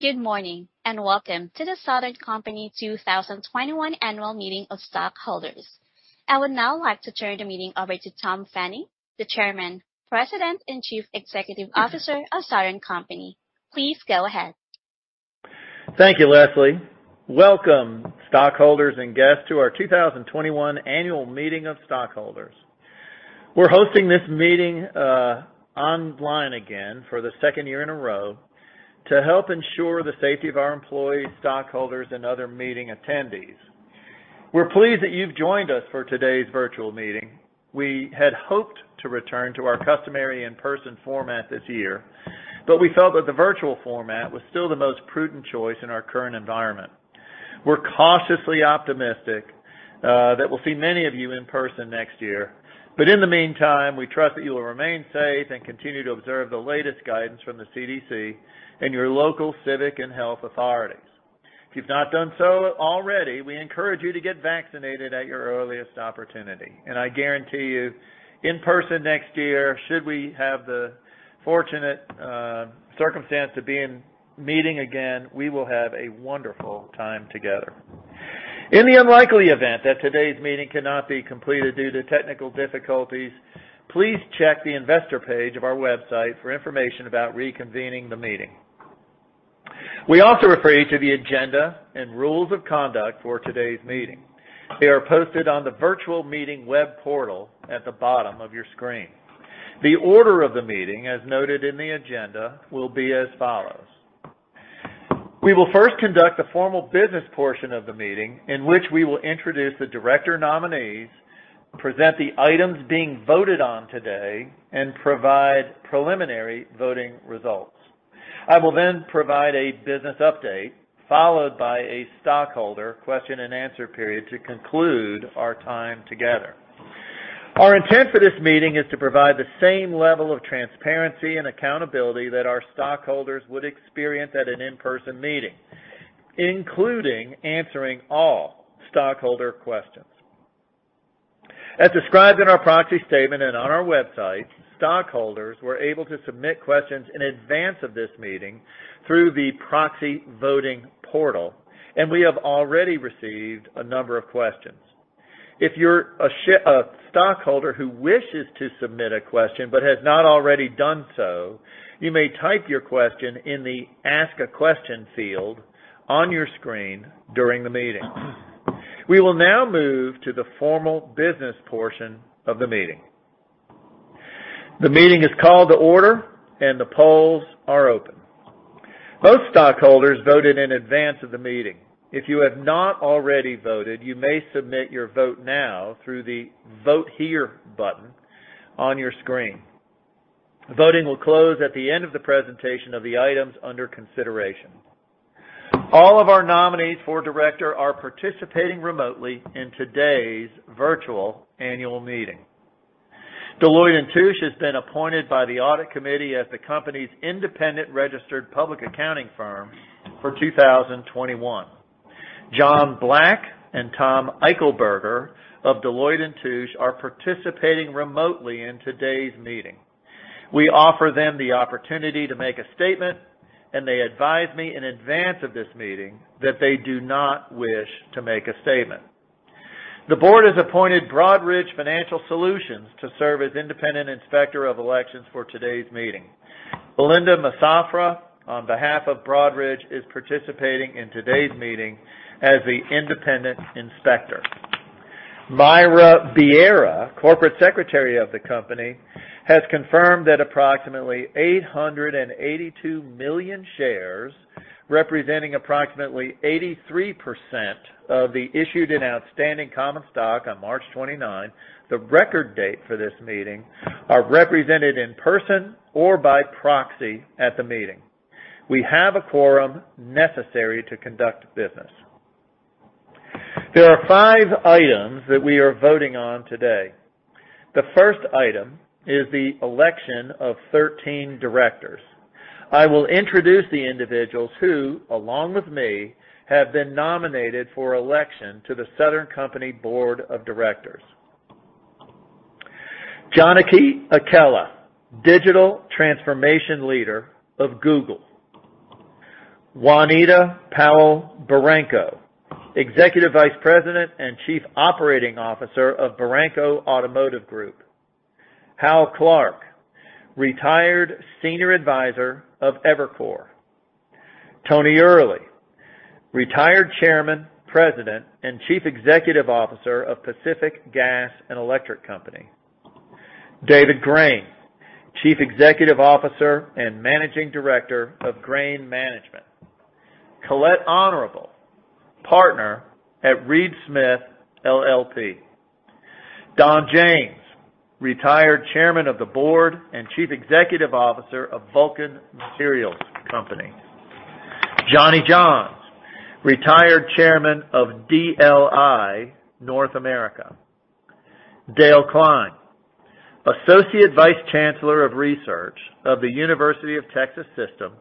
Good morning, welcome to The Southern Company 2021 Annual Meeting of Stockholders. I would now like to turn the meeting over to Tom Fanning, the Chairman, President, and Chief Executive Officer of Southern Company. Please go ahead. Thank you, Leslie. Welcome, stockholders and guests to our 2021 Annual Meeting of Stockholders. We're hosting this meeting online again for the second year in a row to help ensure the safety of our employees, stockholders, and other meeting attendees. We're pleased that you've joined us for today's virtual meeting. We had hoped to return to our customary in-person format this year. We felt that the virtual format was still the most prudent choice in our current environment. We're cautiously optimistic that we'll see many of you in person next year. In the meantime, we trust that you will remain safe and continue to observe the latest guidance from the CDC and your local civic and health authorities. If you've not done so already, we encourage you to get vaccinated at your earliest opportunity. I guarantee you, in person next year, should we have the fortunate circumstance of meeting again, we will have a wonderful time together. In the unlikely event that today's meeting cannot be completed due to technical difficulties, please check the investor page of our website for information about reconvening the meeting. We also refer you to the agenda and rules of conduct for today's meeting. They are posted on the virtual meeting web portal at the bottom of your screen. The order of the meeting, as noted in the agenda, will be as follows. We will first conduct the formal business portion of the meeting, in which we will introduce the director nominees, present the items being voted on today, and provide preliminary voting results. I will then provide a business update, followed by a stockholder question and answer period to conclude our time together. Our intent for this meeting is to provide the same level of transparency and accountability that our stockholders would experience at an in-person meeting, including answering all stockholder questions. As described in our proxy statement and on our website, stockholders were able to submit questions in advance of this meeting through the proxy voting portal, and we have already received a number of questions. If you're a stockholder who wishes to submit a question but has not already done so, you may type your question in the Ask A Question field on your screen during the meeting. We will now move to the formal business portion of the meeting. The meeting is called to order, and the polls are open. Most stockholders voted in advance of the meeting. If you have not already voted, you may submit your vote now through the Vote Here button on your screen. Voting will close at the end of the presentation of the items under consideration. All of our nominees for director are participating remotely in today's virtual annual meeting. Deloitte & Touche has been appointed by the Audit Committee as the company's independent registered public accounting firm for 2021. John Black and Tom Eichelberger of Deloitte & Touche are participating remotely in today's meeting. We offer them the opportunity to make a statement, and they advised me in advance of this meeting that they do not wish to make a statement. The board has appointed Broadridge Financial Solutions to serve as independent inspector of elections for today's meeting. Belinda Massafra, on behalf of Broadridge, is participating in today's meeting as the independent inspector. Myra Bierria, Corporate Secretary of The Southern Company, has confirmed that approximately 882 million shares, representing approximately 83% of the issued and outstanding common stock on March 29, the record date for this meeting, are represented in person or by proxy at the meeting. We have a quorum necessary to conduct business. There are five items that we are voting on today. The first item is the election of 13 directors. I will introduce the individuals who, along with me, have been nominated for election to The Southern Company board of directors. Janaki Akella, Digital Transformation Leader of Google. Juanita Powell Baranco, Executive Vice President and Chief Operating Officer of Baranco Automotive Group. Hal Clark, retired Senior Advisor of Evercore. Anthony Earley, Jr., retired Chairman, President, and Chief Executive Officer of Pacific Gas and Electric Company. David Grain, Chief Executive Officer and Managing Director of Grain Management. Colette Honorable, Partner at Reed Smith LLP. Don James, retired Chairman of the Board and Chief Executive Officer of Vulcan Materials Company. Johnny Johns, retired Chairman of DLI North America. Dale Klein, Associate Vice Chancellor of Research of the University of Texas System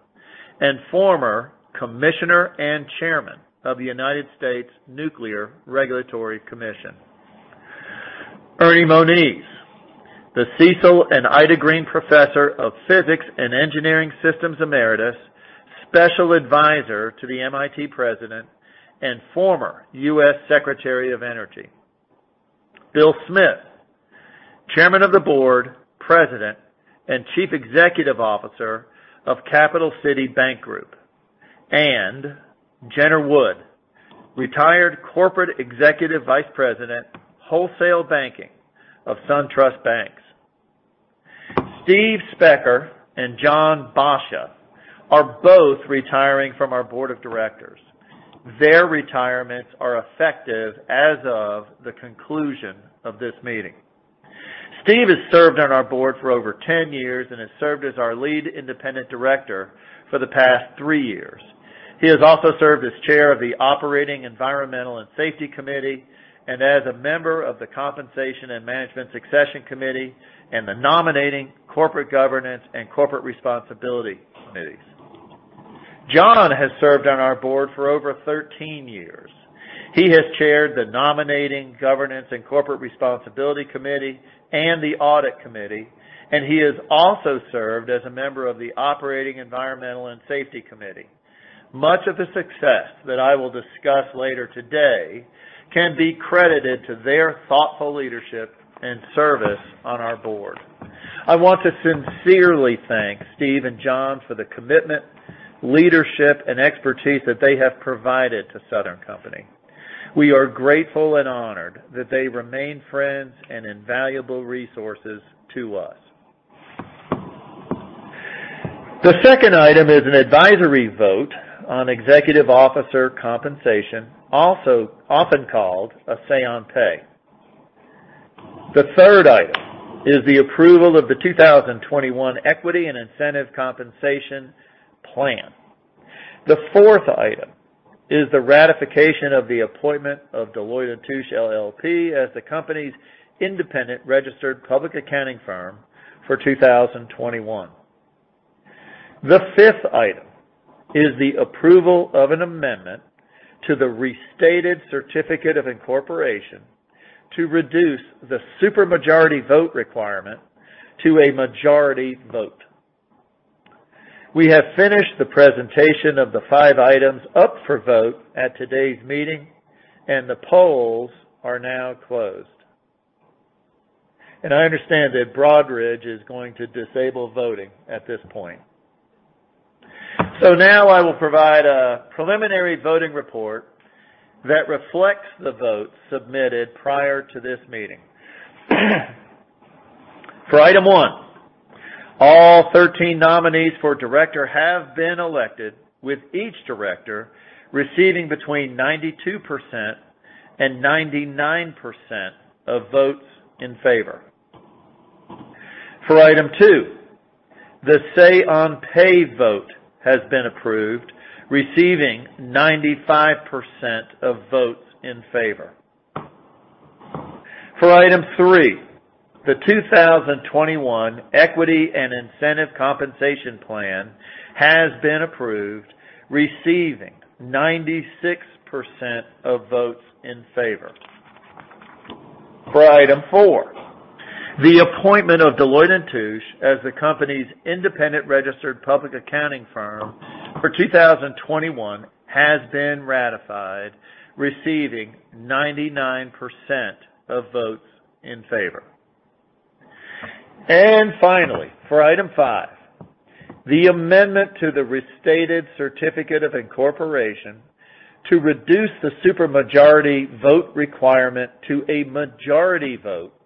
and former Commissioner and Chairman of the United States Nuclear Regulatory Commission. Ernie Moniz, the Cecil and Ida Green Professor of Physics and Engineering Systems Emeritus, Special Advisor to the MIT President, and former U.S. Secretary of Energy. Bill Smith Chairman of the Board, President and Chief Executive Officer of Capital City Bank Group and Jenner Wood Retired Corporate Executive Vice President Wholesale Banking of SunTrust Bank. Steve Specker and Jon Boscia are both retiring from our board of directors. Their retirements are effective as of the conclusion of this meeting. Steve has served on our board for over 10 years and has served as our Lead Independent Director for the past three years. He has also served as Chair of the Operations, Environmental and Safety Committee and as a member of the Compensation and Management Succession Committee and the Nominating, Governance and Corporate Responsibility Committee. Jon has served on our board for over 13 years. He has chaired the Nominating, Governance and Corporate Responsibility Committee and the Audit Committee, and he has also served as a member of the Operations, Environmental and Safety Committee. Much of the success that I will discuss later today can be credited to their thoughtful leadership and service on our board. I want to sincerely thank Steve and Jon for the commitment, leadership, and expertise that they have provided to Southern Company. We are grateful and honored that they remain friends and invaluable resources to us. The second item is an advisory vote on executive officer compensation, also often called a say on pay. The third item is the approval of The Southern Company 2021 Equity and Incentive Compensation Plan. The fourth item is the ratification of the appointment of Deloitte & Touche LLP as the company's independent registered public accounting firm for 2021. The fifth item is the approval of an amendment to the restated certificate of incorporation to reduce the supermajority vote requirement to a majority vote. We have finished the presentation of the five items up for vote at today's meeting, and the polls are now closed. I understand that Broadridge is going to disable voting at this point. Now I will provide a preliminary voting report that reflects the votes submitted prior to this meeting. For item 1, all 13 nominees for director have been elected, with each director receiving between 92% and 99% of votes in favor. For item 2, the say on pay vote has been approved, receiving 95% of votes in favor. For item 3, the 2021 Equity and Incentive Compensation Plan has been approved, receiving 96% of votes in favor. For item 4, the appointment of Deloitte & Touche as the company's independent registered public accounting firm for 2021 has been ratified, receiving 99% of votes in favor. Finally, for item 5, the amendment to the restated certificate of incorporation to reduce the supermajority vote requirement to a majority vote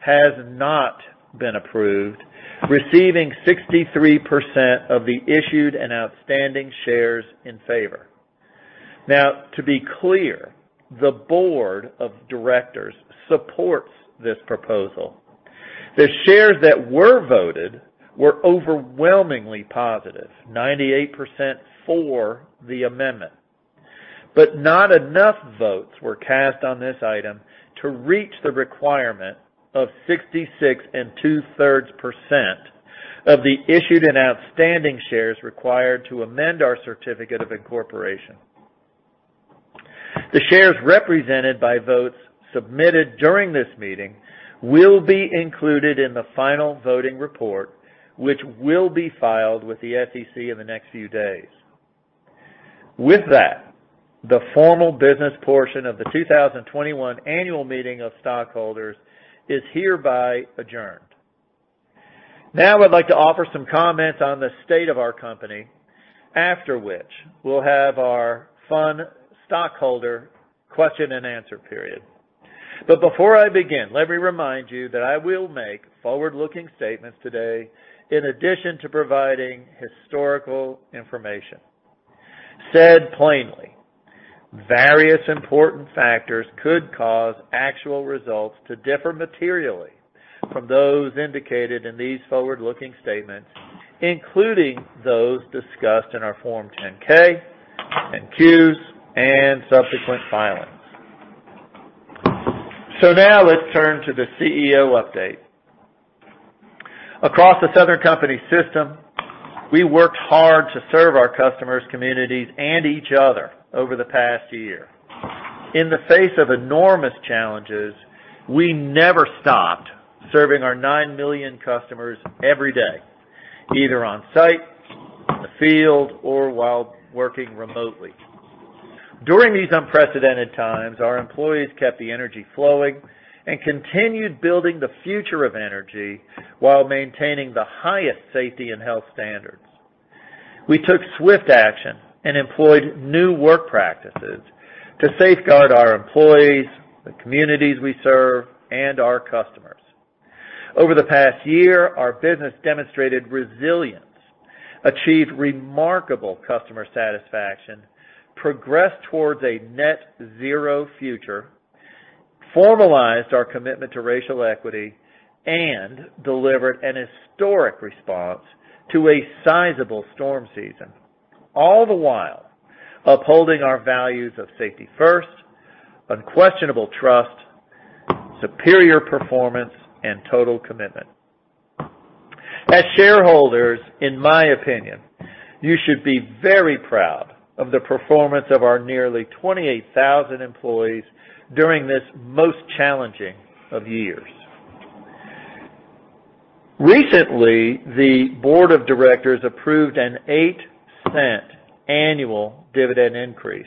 has not been approved, receiving 63% of the issued and outstanding shares in favor. Now, to be clear, the board of directors supports this proposal. The shares that were voted were overwhelmingly positive, 98% for the amendment. Not enough votes were cast on this item to reach the requirement of 66 2/3% of the issued and outstanding shares required to amend our certificate of incorporation. The shares represented by votes submitted during this meeting will be included in the final voting report, which will be filed with the SEC in the next few days. With that, the formal business portion of the 2021 annual meeting of stockholders is hereby adjourned. I'd like to offer some comments on the state of our company, after which we'll have our fun stockholder question and answer period. Before I begin, let me remind you that I will make forward-looking statements today in addition to providing historical information. Said plainly, various important factors could cause actual results to differ materially from those indicated in these forward-looking statements, including those discussed in our Forms 10-K, 10-Qs, and subsequent filings. Now let's turn to the CEO update. Across The Southern Company system, we worked hard to serve our customers, communities, and each other over the past year. In the face of enormous challenges, we never stopped serving our nine million customers every day, either on site, in the field, or while working remotely. During these unprecedented times, our employees kept the energy flowing and continued building the future of energy while maintaining the highest safety and health standards. We took swift action and employed new work practices to safeguard our employees, the communities we serve, and our customers. Over the past year, our business demonstrated resilience, achieved remarkable customer satisfaction, progressed towards a net-zero future, formalized our commitment to racial equity, and delivered an historic response to a sizable storm season, all the while upholding our values of safety first, unquestionable trust, superior performance, and total commitment. As shareholders, in my opinion, you should be very proud of the performance of our nearly 28,000 employees during this most challenging of years. Recently, the Board of Directors approved an $0.08 annual dividend increase.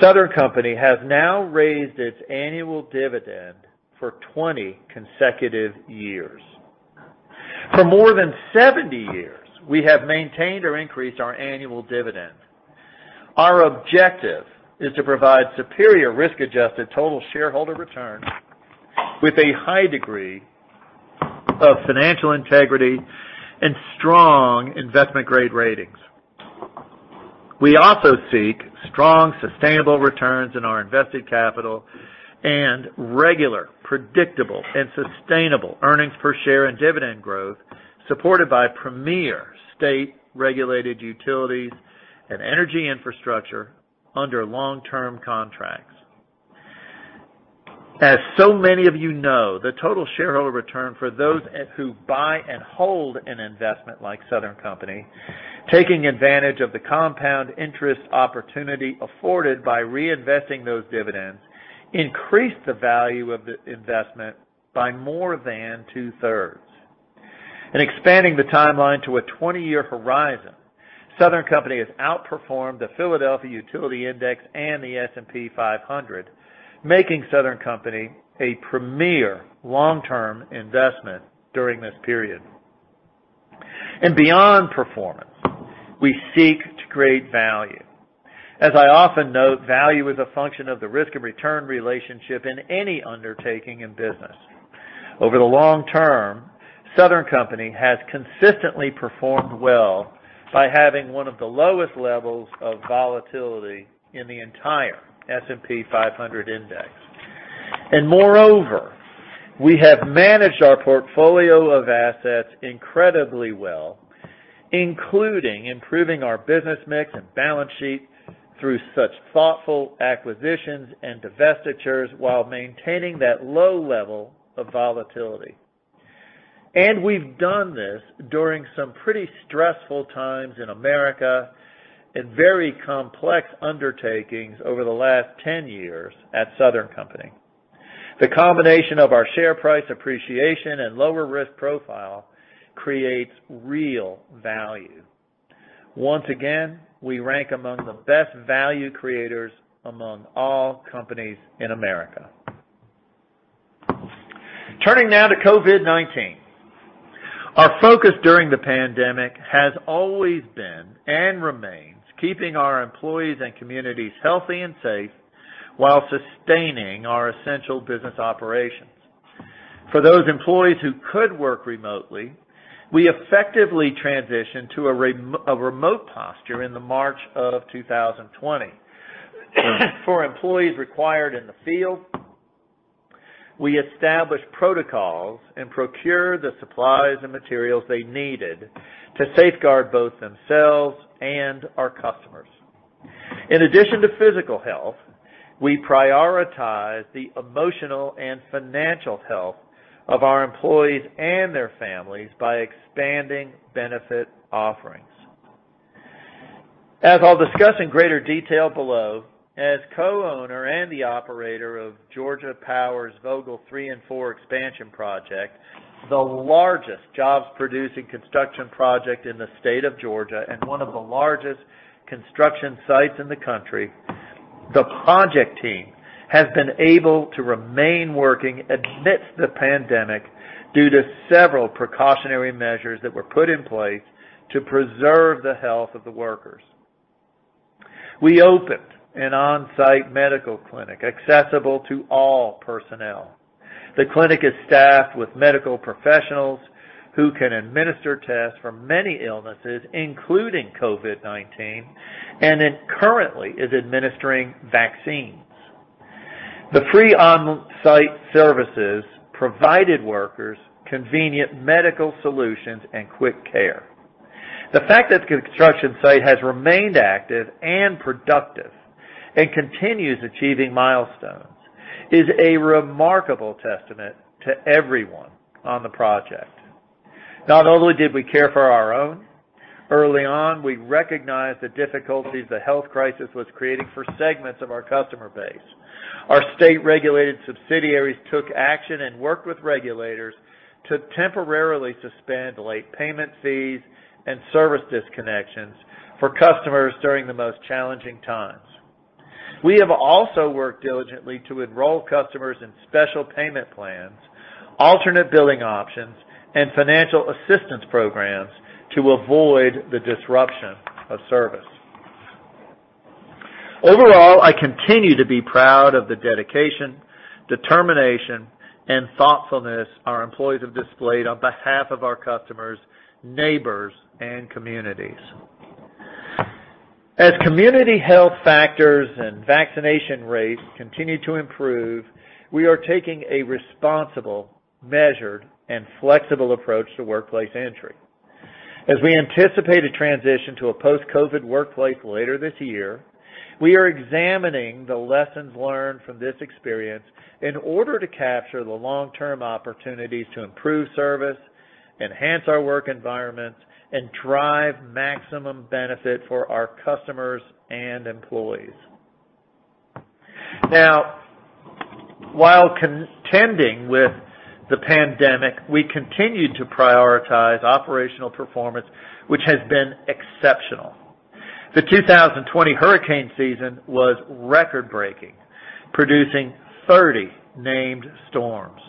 Southern Company has now raised its annual dividend for 20 consecutive years. For more than 70 years, we have maintained or increased our annual dividend. Our objective is to provide superior risk-adjusted total shareholder return with a high degree of financial integrity and strong investment-grade ratings. We also seek strong, sustainable returns on our invested capital and regular, predictable, and sustainable earnings per share and dividend growth, supported by premier state-regulated utilities and energy infrastructure under long-term contracts. As so many of you know, the total shareholder return for those who buy and hold an investment like Southern Company, taking advantage of the compound interest opportunity afforded by reinvesting those dividends, increased the value of the investment by more than two-thirds. In expanding the timeline to a 20-year horizon, Southern Company has outperformed the PHLX Utility Sector Index and the S&P 500, making Southern Company a premier long-term investment during this period. Beyond performance, we seek to create value. As I often note, value is a function of the risk and return relationship in any undertaking in business. Over the long term, Southern Company has consistently performed well by having one of the lowest levels of volatility in the entire S&P 500 index. Moreover, we have managed our portfolio of assets incredibly well, including improving our business mix and balance sheet through such thoughtful acquisitions and divestitures while maintaining that low level of volatility. We've done this during some pretty stressful times in America, and very complex undertakings over the last 10 years at Southern Company. The combination of our share price appreciation and lower risk profile creates real value. Once again, we rank among the best value creators among all companies in America. Turning now to COVID-19. Our focus during the pandemic has always been, and remains, keeping our employees and communities healthy and safe while sustaining our essential business operations. For those employees who could work remotely, we effectively transitioned to a remote posture in the March of 2020. For employees required in the field, we established protocols and procured the supplies and materials they needed to safeguard both themselves and our customers. In addition to physical health, we prioritize the emotional and financial health of our employees and their families by expanding benefit offerings. As I'll discuss in greater detail below, as co-owner and the operator of Georgia Power's Vogtle Three and Four expansion project, the largest jobs-producing construction project in the state of Georgia and one of the largest construction sites in the country, the project team has been able to remain working amidst the pandemic due to several precautionary measures that were put in place to preserve the health of the workers. We opened an on-site medical clinic accessible to all personnel. The clinic is staffed with medical professionals who can administer tests for many illnesses, including COVID-19, and it currently is administering vaccines. The free on-site services provided workers convenient medical solutions and quick care. The fact that the construction site has remained active and productive and continues achieving milestones is a remarkable testament to everyone on the project. Not only did we care for our own, early on, we recognized the difficulties the health crisis was creating for segments of our customer base. Our state-regulated subsidiaries took action and worked with regulators to temporarily suspend late payment fees and service disconnections for customers during the most challenging times. We have also worked diligently to enroll customers in special payment plans, alternate billing options, and financial assistance programs to avoid the disruption of service. Overall, I continue to be proud of the dedication, determination, and thoughtfulness our employees have displayed on behalf of our customers, neighbors, and communities. As community health factors and vaccination rates continue to improve, we are taking a responsible, measured, and flexible approach to workplace entry. As we anticipate a transition to a post-COVID workplace later this year, we are examining the lessons learned from this experience in order to capture the long-term opportunities to improve service, enhance our work environments, and drive maximum benefit for our customers and employees. While contending with the pandemic, we continued to prioritize operational performance, which has been exceptional. The 2020 hurricane season was record-breaking, producing 30 named storms.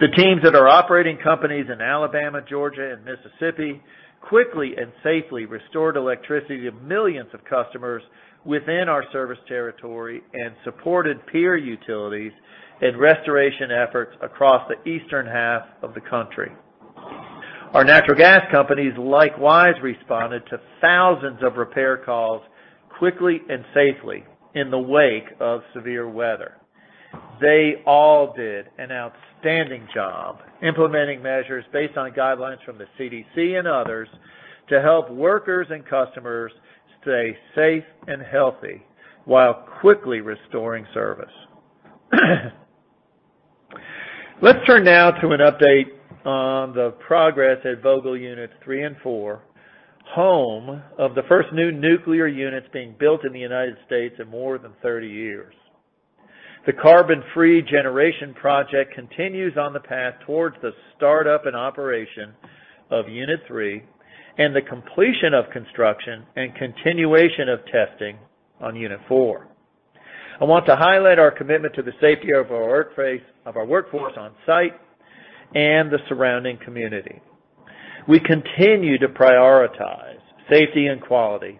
The teams at our operating companies in Alabama, Georgia, and Mississippi quickly and safely restored electricity to millions of customers within our service territory and supported peer utilities in restoration efforts across the eastern half of the country. Our natural gas companies likewise responded to thousands of repair calls quickly and safely in the wake of severe weather. They all did an outstanding job implementing measures based on guidelines from the CDC and others to help workers and customers stay safe and healthy while quickly restoring service. Let's turn now to an update on the progress at Vogtle Units 3 and 4, home of the first new nuclear units being built in the U.S. in more than 30 years. The carbon-free generation project continues on the path towards the startup and operation of Unit 3 and the completion of construction and continuation of testing on Unit 4. I want to highlight our commitment to the safety of our workforce on site and the surrounding community. We continue to prioritize safety and quality,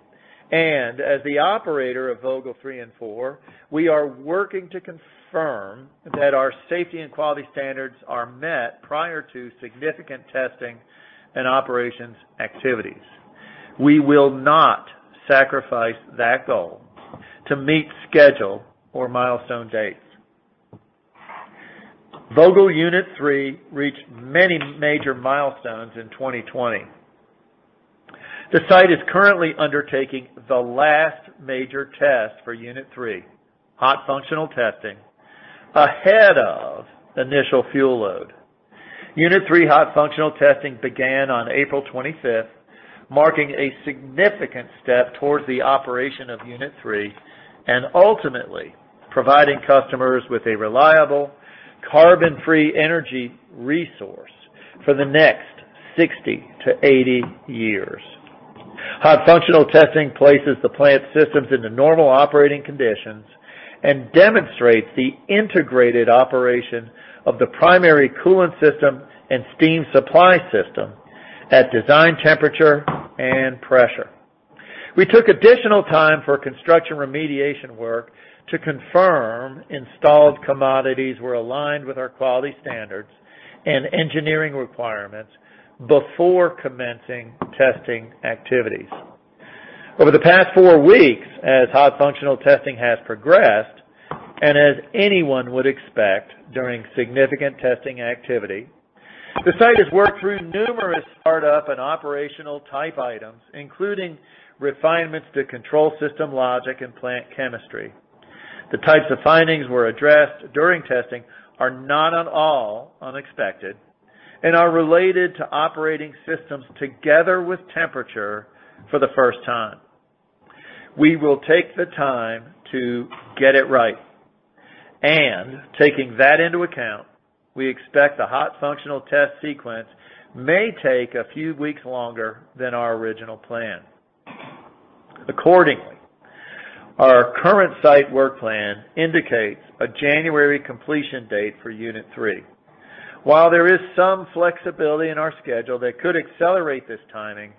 and as the operator of Vogtle 3 and 4, we are working to confirm that our safety and quality standards are met prior to significant testing and operations activities. We will not sacrifice that goal to meet schedule or milestone dates. Vogtle Unit 3 reached many major milestones in 2020. The site is currently undertaking the last major test for Unit 3, hot functional testing, ahead of initial fuel load. Unit 3 hot functional testing began on April 25th, marking a significant step towards the operation of Unit 3, and ultimately providing customers with a reliable, carbon-free energy resource for the next 60 to 80 years. Hot functional testing places the plant systems into normal operating conditions and demonstrates the integrated operation of the primary coolant system and steam supply system at design temperature and pressure. We took additional time for construction remediation work to confirm installed commodities were aligned with our quality standards and engineering requirements before commencing testing activities. Over the past four weeks, as hot functional testing has progressed, as anyone would expect during significant testing activity, the site has worked through numerous startup and operational type items, including refinements to control system logic and plant chemistry. The types of findings we're addressed during testing are not at all unexpected and are related to operating systems together with temperature for the first time. We will take the time to get it right, taking that into account, we expect the hot functional test sequence may take a few weeks longer than our original plan. Accordingly, our current site work plan indicates a January completion date for Unit 3. While there is some flexibility in our schedule that could accelerate this timing,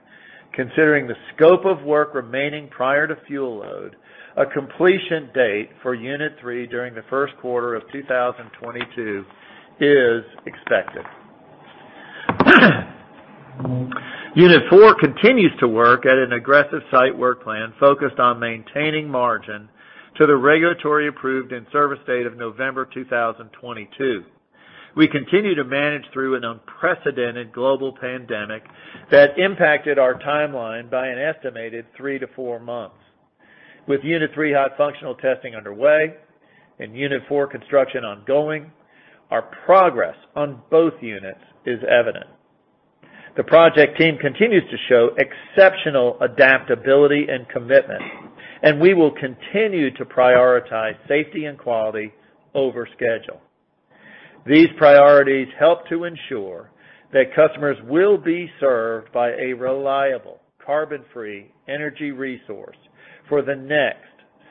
considering the scope of work remaining prior to fuel load, a completion date for Unit 3 during the first quarter of 2022 is expected. Unit 4 continues to work at an aggressive site work plan focused on maintaining margin to the regulatory approved in-service date of November 2022. We continue to manage through an unprecedented global pandemic that impacted our timeline by an estimated three to four months. With Unit 3 hot functional testing underway and Unit 4 construction ongoing, our progress on both units is evident. The project team continues to show exceptional adaptability and commitment, and we will continue to prioritize safety and quality over schedule. These priorities help to ensure that customers will be served by a reliable carbon-free energy resource for the next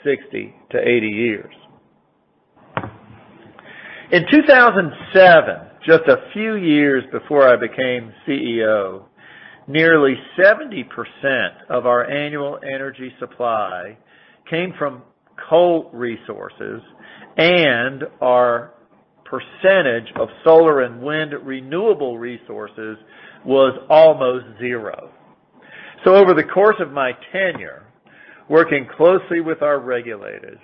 60-80 years. In 2007, just a few years before I became CEO, nearly 70% of our annual energy supply came from coal resources, and our percentage of solar and wind renewable resources was almost zero. Over the course of my tenure, working closely with our regulators,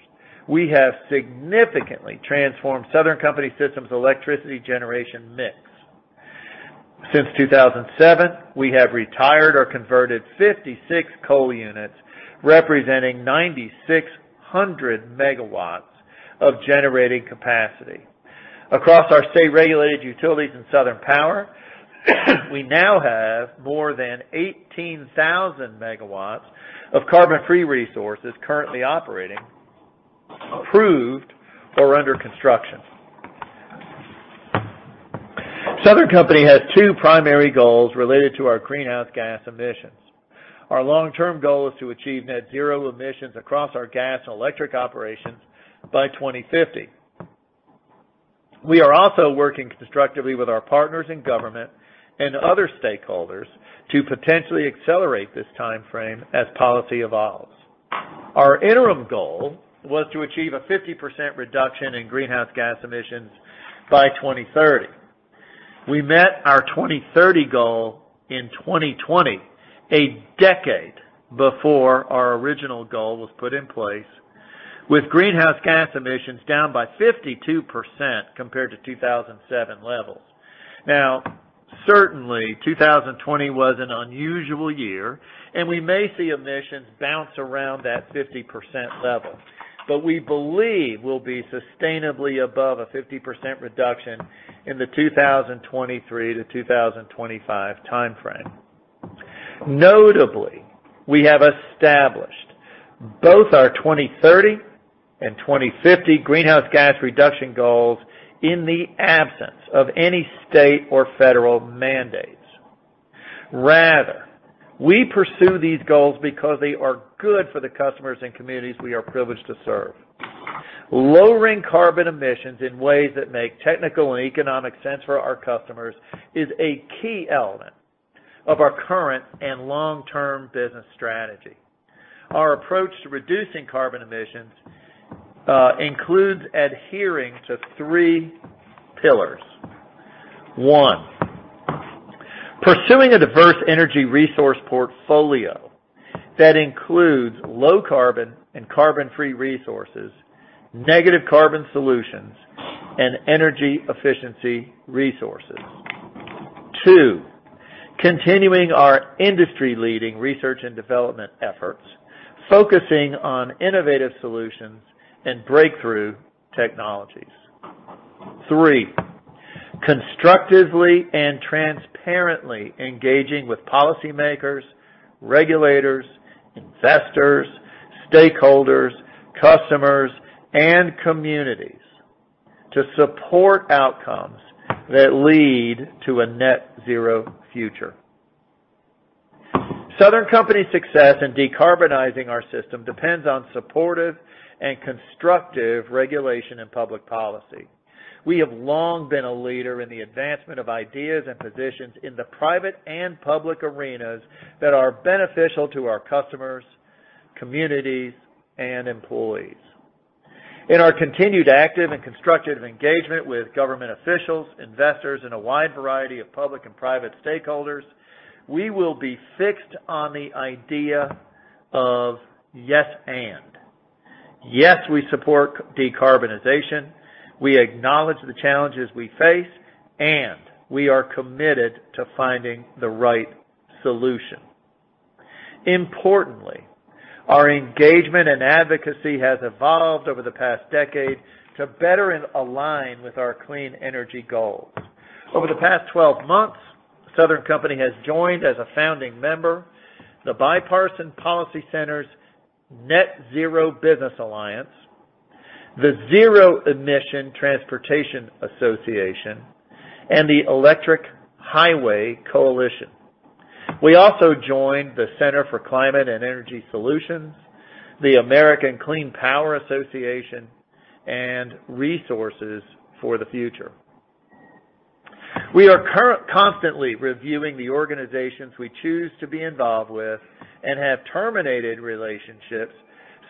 we have significantly transformed Southern Company system's electricity generation mix. Since 2007, we have retired or converted 56 coal units, representing 9,600 MW of generating capacity. Across our state-regulated utilities in Southern Power, we now have more than 18,000 MW of carbon-free resources currently operating, approved, or under construction. Southern Company has two primary goals related to our greenhouse gas emissions. Our long-term goal is to achieve net zero emissions across our gas and electric operations by 2050. We are also working constructively with our partners in government and other stakeholders to potentially accelerate this timeframe as policy evolves. Our interim goal was to achieve a 50% reduction in greenhouse gas emissions by 2030. We met our 2030 goal in 2020, a decade before our original goal was put in place, with greenhouse gas emissions down by 52% compared to 2007 levels. Certainly, 2020 was an unusual year, and we may see emissions bounce around that 50% level. We believe we'll be sustainably above a 50% reduction in the 2023 to 2025 timeframe. Notably, we have established both our 2030 and 2050 greenhouse gas reduction goals in the absence of any state or federal mandates. Rather, we pursue these goals because they are good for the customers and communities we are privileged to serve. Lowering carbon emissions in ways that make technical and economic sense for our customers is a key element of our current and long-term business strategy. Our approach to reducing carbon emissions includes adhering to three pillars. One, pursuing a diverse energy resource portfolio that includes low carbon and carbon-free resources, negative carbon solutions, and energy efficiency resources. Two, continuing our industry-leading research and development efforts, focusing on innovative solutions and breakthrough technologies. Three, constructively and transparently engaging with policymakers, regulators, investors, stakeholders, customers, and communities to support outcomes that lead to a net zero future. Southern Company's success in decarbonizing our system depends on supportive and constructive regulation and public policy. We have long been a leader in the advancement of ideas and positions in the private and public arenas that are beneficial to our customers, communities, and employees. In our continued active and constructive engagement with government officials, investors, and a wide variety of public and private stakeholders, we will be fixed on the idea of "yes, and." Yes, we support decarbonization, we acknowledge the challenges we face, and we are committed to finding the right solution. Importantly, our engagement and advocacy has evolved over the past decade to better align with our clean energy goals. Over the past 12 months, Southern Company has joined as a founding member the Bipartisan Policy Center's Net Zero Business Alliance, the Zero Emission Transportation Association, and the Electric Highway Coalition. We also joined the Center for Climate and Energy Solutions, the American Clean Power Association, and Resources for the Future. We are constantly reviewing the organizations we choose to be involved with and have terminated relationships,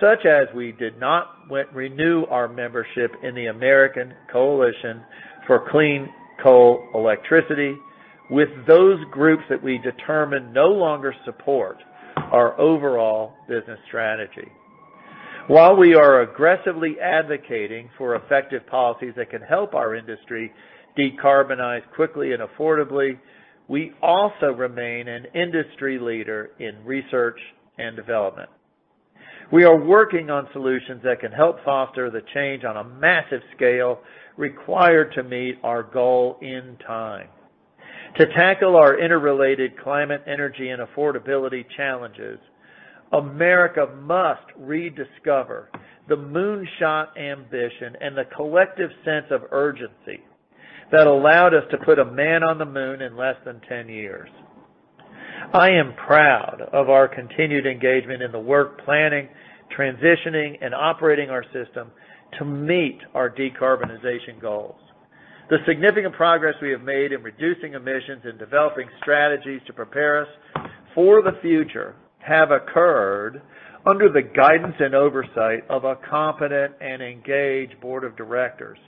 such as we did not renew our membership in the American Coalition for Clean Coal Electricity, with those groups that we determine no longer support our overall business strategy. While we are aggressively advocating for effective policies that can help our industry decarbonize quickly and affordably, we also remain an industry leader in research and development. We are working on solutions that can help foster the change on a massive scale required to meet our goal in time. To tackle our interrelated climate, energy, and affordability challenges, America must rediscover the moonshot ambition and the collective sense of urgency that allowed us to put a man on the moon in less than 10 years. I am proud of our continued engagement in the work planning, transitioning, and operating our system to meet our decarbonization goals. The significant progress we have made in reducing emissions and developing strategies to prepare us for the future have occurred under the guidance and oversight of a competent and engaged board of directors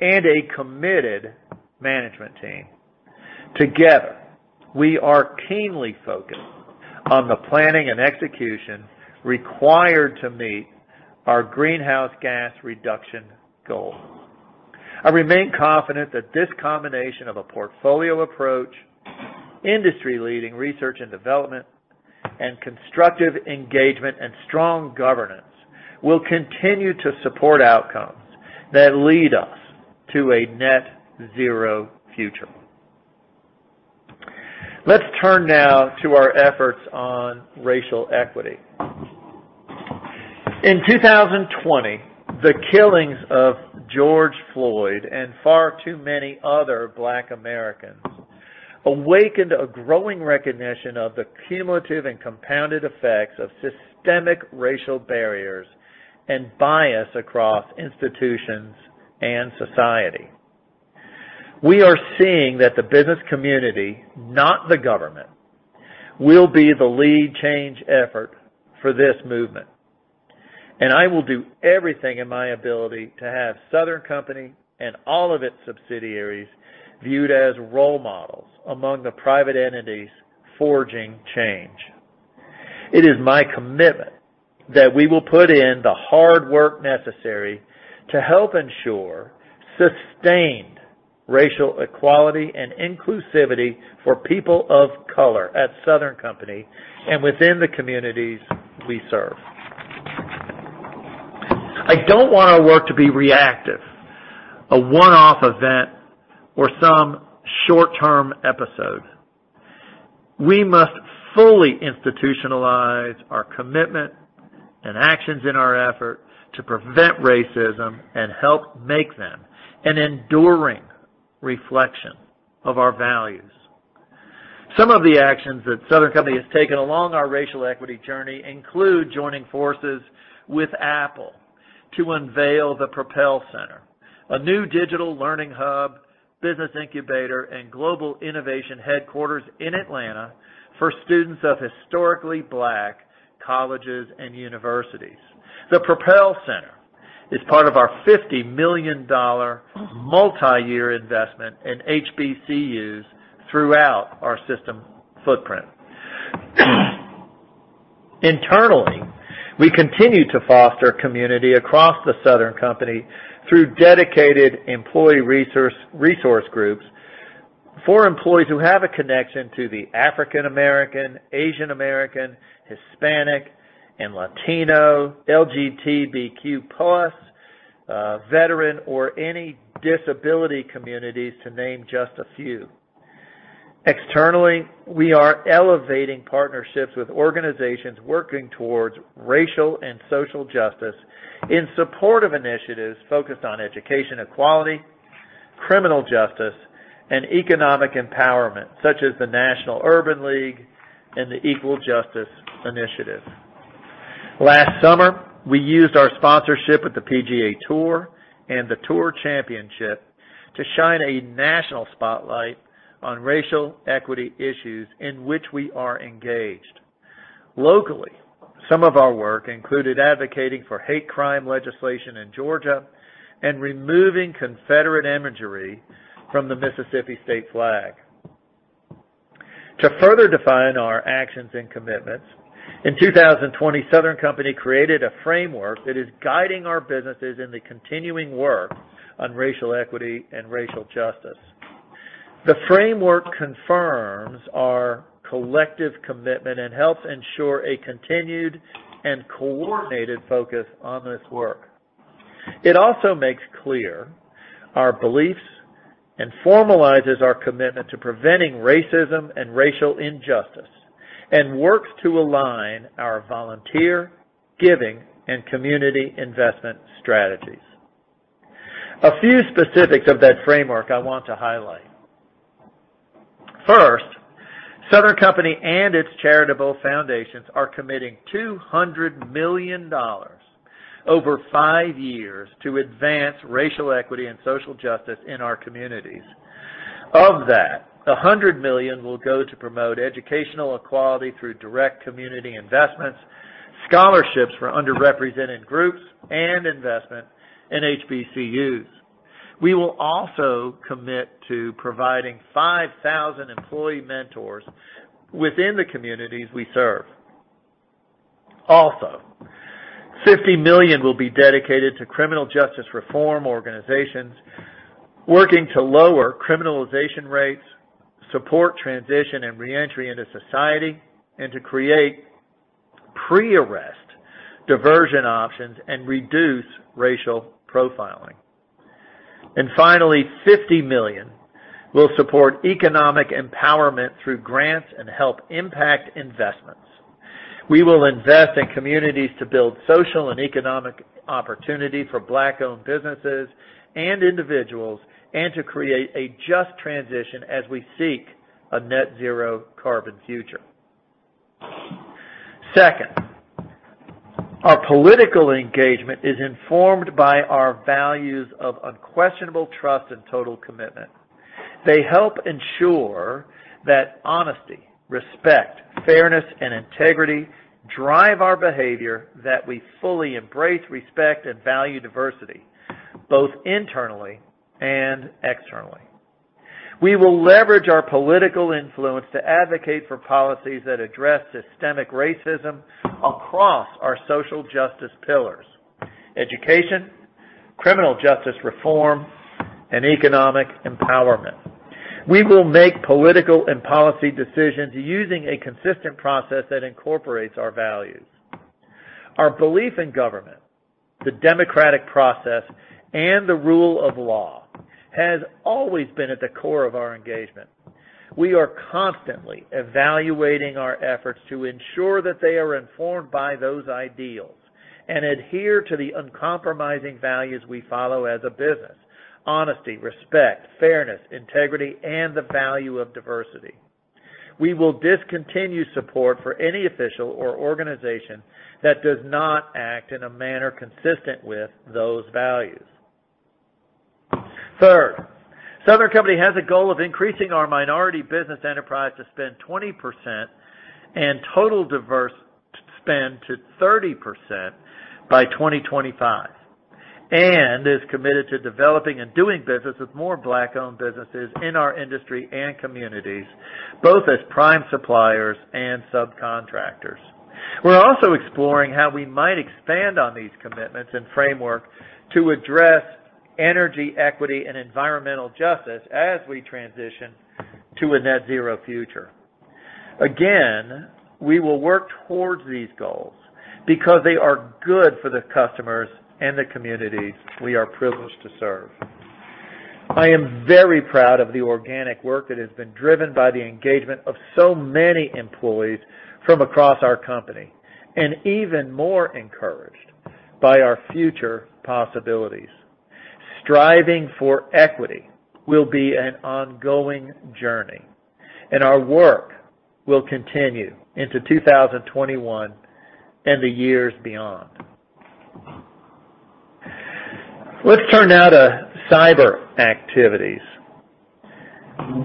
and a committed management team. Together, we are keenly focused on the planning and execution required to meet our greenhouse gas reduction goals. I remain confident that this combination of a portfolio approach, industry-leading research and development, and constructive engagement and strong governance will continue to support outcomes that lead us to a net zero future. Let's turn now to our efforts on racial equity. In 2020, the killings of George Floyd and far too many other Black Americans awakened a growing recognition of the cumulative and compounded effects of systemic racial barriers and bias across institutions and society. We are seeing that the business community, not the government, will be the lead change effort for this movement, and I will do everything in my ability to have Southern Company and all of its subsidiaries viewed as role models among the private entities forging change. It is my commitment that we will put in the hard work necessary to help ensure sustained racial equality and inclusivity for people of color at Southern Company and within the communities we serve. I don't want our work to be reactive, a one-off event, or some short-term episode. We must fully institutionalize our commitment and actions in our effort to prevent racism and help make them an enduring reflection of our values. Some of the actions that Southern Company has taken along our racial equity journey include joining forces with Apple to unveil the Propel Center, a new digital learning hub, business incubator, and global innovation headquarters in Atlanta for students of historically Black colleges and universities. The Propel Center is part of our $50 million multi-year investment in HBCUs throughout our system footprint. Internally, we continue to foster community across the Southern Company through dedicated employee resource groups for employees who have a connection to the African American, Asian American, Hispanic and Latino, LGBTQ+, veteran, or any disability communities, to name just a few. Externally, we are elevating partnerships with organizations working towards racial and social justice in support of initiatives focused on education equality, criminal justice, and economic empowerment, such as the National Urban League and the Equal Justice Initiative. Last summer, we used our sponsorship at the PGA Tour and the Tour Championship to shine a national spotlight on racial equity issues in which we are engaged. Locally, some of our work included advocating for hate crime legislation in Georgia and removing Confederate imagery from the Mississippi state flag. To further define our actions and commitments, in 2020, Southern Company created a framework that is guiding our businesses in the continuing work on racial equity and racial justice. The framework confirms our collective commitment and helps ensure a continued and coordinated focus on this work. It also makes clear our beliefs and formalizes our commitment to preventing racism and racial injustice and works to align our volunteer giving and community investment strategies. A few specifics of that framework I want to highlight. Southern Company and its charitable foundations are committing $200 million over five years to advance racial equity and social justice in our communities. Of that, $100 million will go to promote educational equality through direct community investments, scholarships for underrepresented groups, and investment in HBCUs. We will also commit to providing 5,000 employee mentors within the communities we serve. $50 million will be dedicated to criminal justice reform organizations working to lower criminalization rates, support transition and re-entry into society, and to create pre-arrest diversion options and reduce racial profiling. Finally, $50 million will support economic empowerment through grants and help impact investments. We will invest in communities to build social and economic opportunity for Black-owned businesses and individuals, and to create a just transition as we seek a net zero carbon future. Our political engagement is informed by our values of unquestionable trust and total commitment. They help ensure that honesty, respect, fairness, and integrity drive our behavior, that we fully embrace, respect, and value diversity, both internally and externally. We will leverage our political influence to advocate for policies that address systemic racism across our social justice pillars, education, criminal justice reform, and economic empowerment. We will make political and policy decisions using a consistent process that incorporates our values. Our belief in government, the democratic process, and the rule of law has always been at the core of our engagement. We are constantly evaluating our efforts to ensure that they are informed by those ideals and adhere to the uncompromising values we follow as a business: honesty, respect, fairness, integrity, and the value of diversity. We will discontinue support for any official or organization that does not act in a manner consistent with those values. Southern Company has a goal of increasing our minority business enterprise to spend 20% and total diverse spend to 30% by 2025 and is committed to developing and doing business with more Black-owned businesses in our industry and communities, both as prime suppliers and subcontractors. We're also exploring how we might expand on these commitments and framework to address energy equity and environmental justice as we transition to a net zero future. Again, we will work towards these goals because they are good for the customers and the communities we are privileged to serve. I am very proud of the organic work that has been driven by the engagement of so many employees from across our company, and even more encouraged by our future possibilities. Striving for equity will be an ongoing journey, and our work will continue into 2021 and the years beyond. Let's turn now to cyber activities.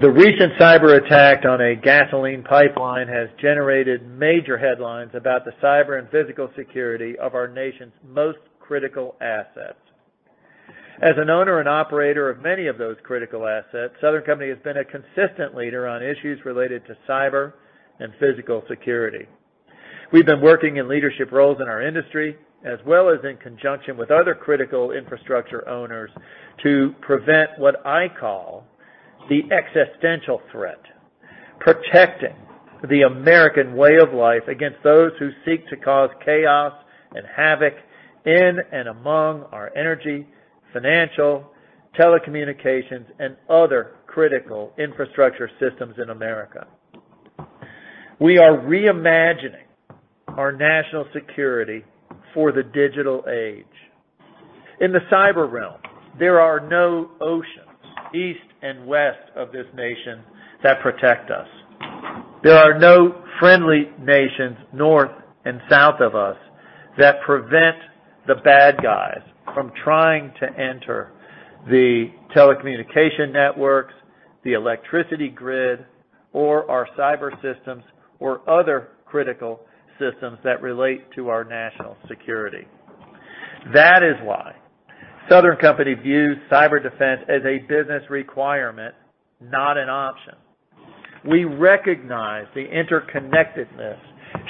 The recent cyber attack on a gasoline pipeline has generated major headlines about the cyber and physical security of our nation's most critical assets. As an owner and operator of many of those critical assets, Southern Company has been a consistent leader on issues related to cyber and physical security. We've been working in leadership roles in our industry, as well as in conjunction with other critical infrastructure owners to prevent what I call the existential threat, protecting the American way of life against those who seek to cause chaos and havoc in and among our energy, financial, telecommunications, and other critical infrastructure systems in America. We are reimagining our national security for the digital age. In the cyber realm, there are no oceans east and west of this nation that protect us. There are no friendly nations north and south of us that prevent the bad guys from trying to enter the telecommunication networks, the electricity grid, or our cyber systems, or other critical systems that relate to our national security. That is why Southern Company views cyber defense as a business requirement, not an option. We recognize the interconnectedness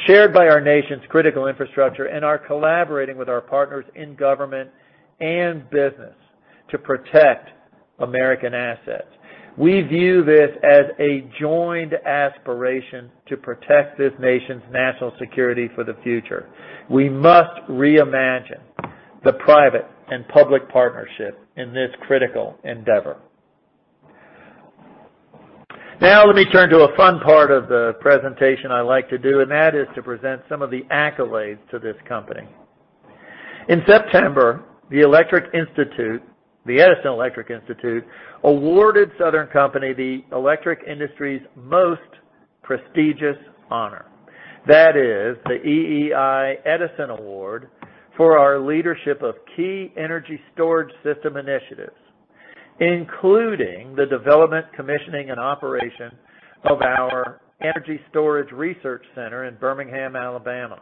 shared by our nation's critical infrastructure and are collaborating with our partners in government and business to protect American assets. We view this as a joined aspiration to protect this nation's national security for the future. We must reimagine the private and public partnership in this critical endeavor. Now let me turn to a fun part of the presentation I like to do, and that is to present some of the accolades to this company. In September, the Edison Electric Institute awarded Southern Company the electric industry's most prestigious honor. That is the EEI Edison Award for our leadership of key energy storage system initiatives, including the development, commissioning, and operation of our energy storage research center in Birmingham, Alabama.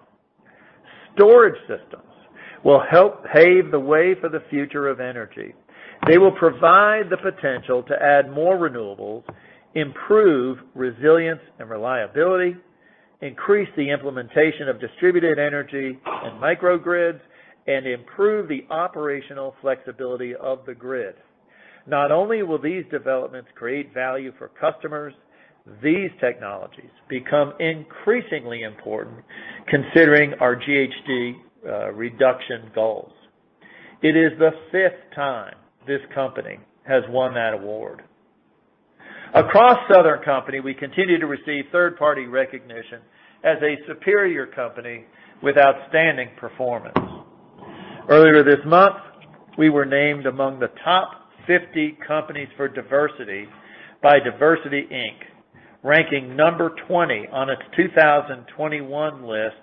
Storage systems will help pave the way for the future of energy. They will provide the potential to add more renewables, improve resilience and reliability, increase the implementation of distributed energy and microgrids, and improve the operational flexibility of the grid. Not only will these developments create value for customers, these technologies become increasingly important considering our GHG reduction goals. It is the fifth time this company has won that award. Across Southern Company, we continue to receive third-party recognition as a superior company with outstanding performance. Earlier this month, we were named among the top 50 companies for diversity by DiversityInc, ranking number 20 on its 2021 list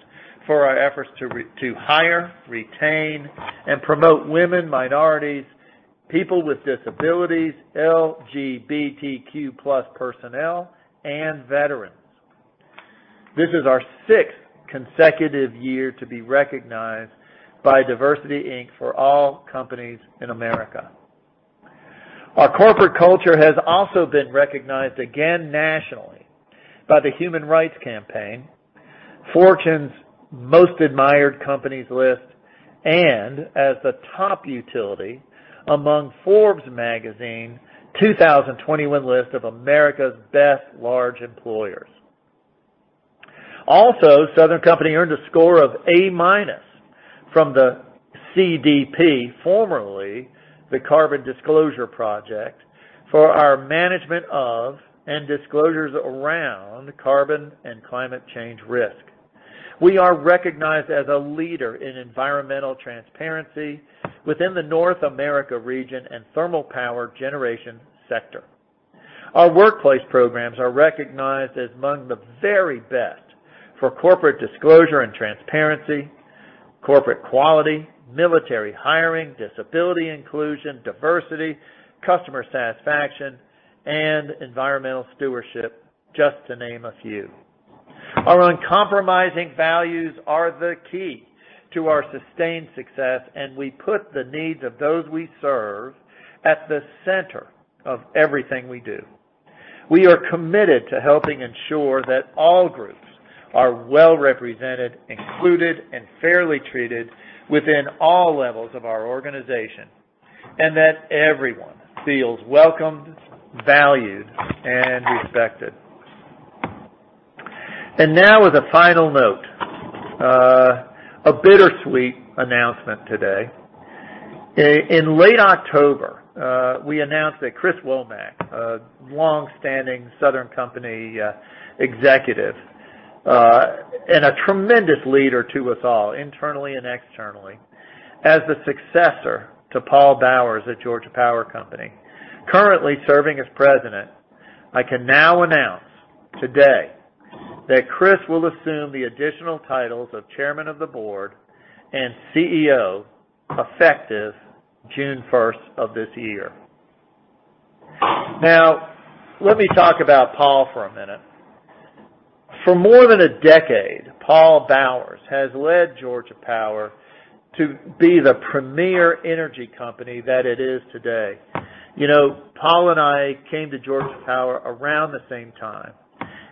for our efforts to hire, retain, and promote women, minorities, people with disabilities, LGBTQ+ personnel, and veterans. This is our sixth consecutive year to be recognized by DiversityInc for all companies in America. Our corporate culture has also been recognized again nationally by the Human Rights Campaign, Fortune's Most Admired Companies list, and as a top utility among Forbes magazine's 2021 list of America's best large employers. Also, Southern Company earned a score of A- from the CDP, formerly the Carbon Disclosure Project, for our management of and disclosures around carbon and climate change risk. We are recognized as a leader in environmental transparency within the North America region and thermal power generation sector. Our workplace programs are recognized as among the very best for corporate disclosure and transparency, corporate quality, military hiring, disability inclusion, diversity, customer satisfaction, and environmental stewardship, just to name a few. Our uncompromising values are the key to our sustained success, and we put the needs of those we serve at the center of everything we do. We are committed to helping ensure that all groups are well-represented, included, and fairly treated within all levels of our organization, and that everyone feels welcomed, valued, and respected. Now with a final note, a bittersweet announcement today. In late October, we announced that Chris Womack, a longstanding Southern Company executive and a tremendous leader to us all internally and externally, as the successor to Paul Bowers at Georgia Power Company, currently serving as president. I can now announce today that Chris Womack will assume the additional titles of Chairman of the Board and CEO effective June 1st of this year. Now, let me talk about Paul Bowers for a minute. For more than a decade, Paul Bowers has led Georgia Power Company to be the premier energy company that it is today. Paul Bowers and I came to Georgia Power Company around the same time,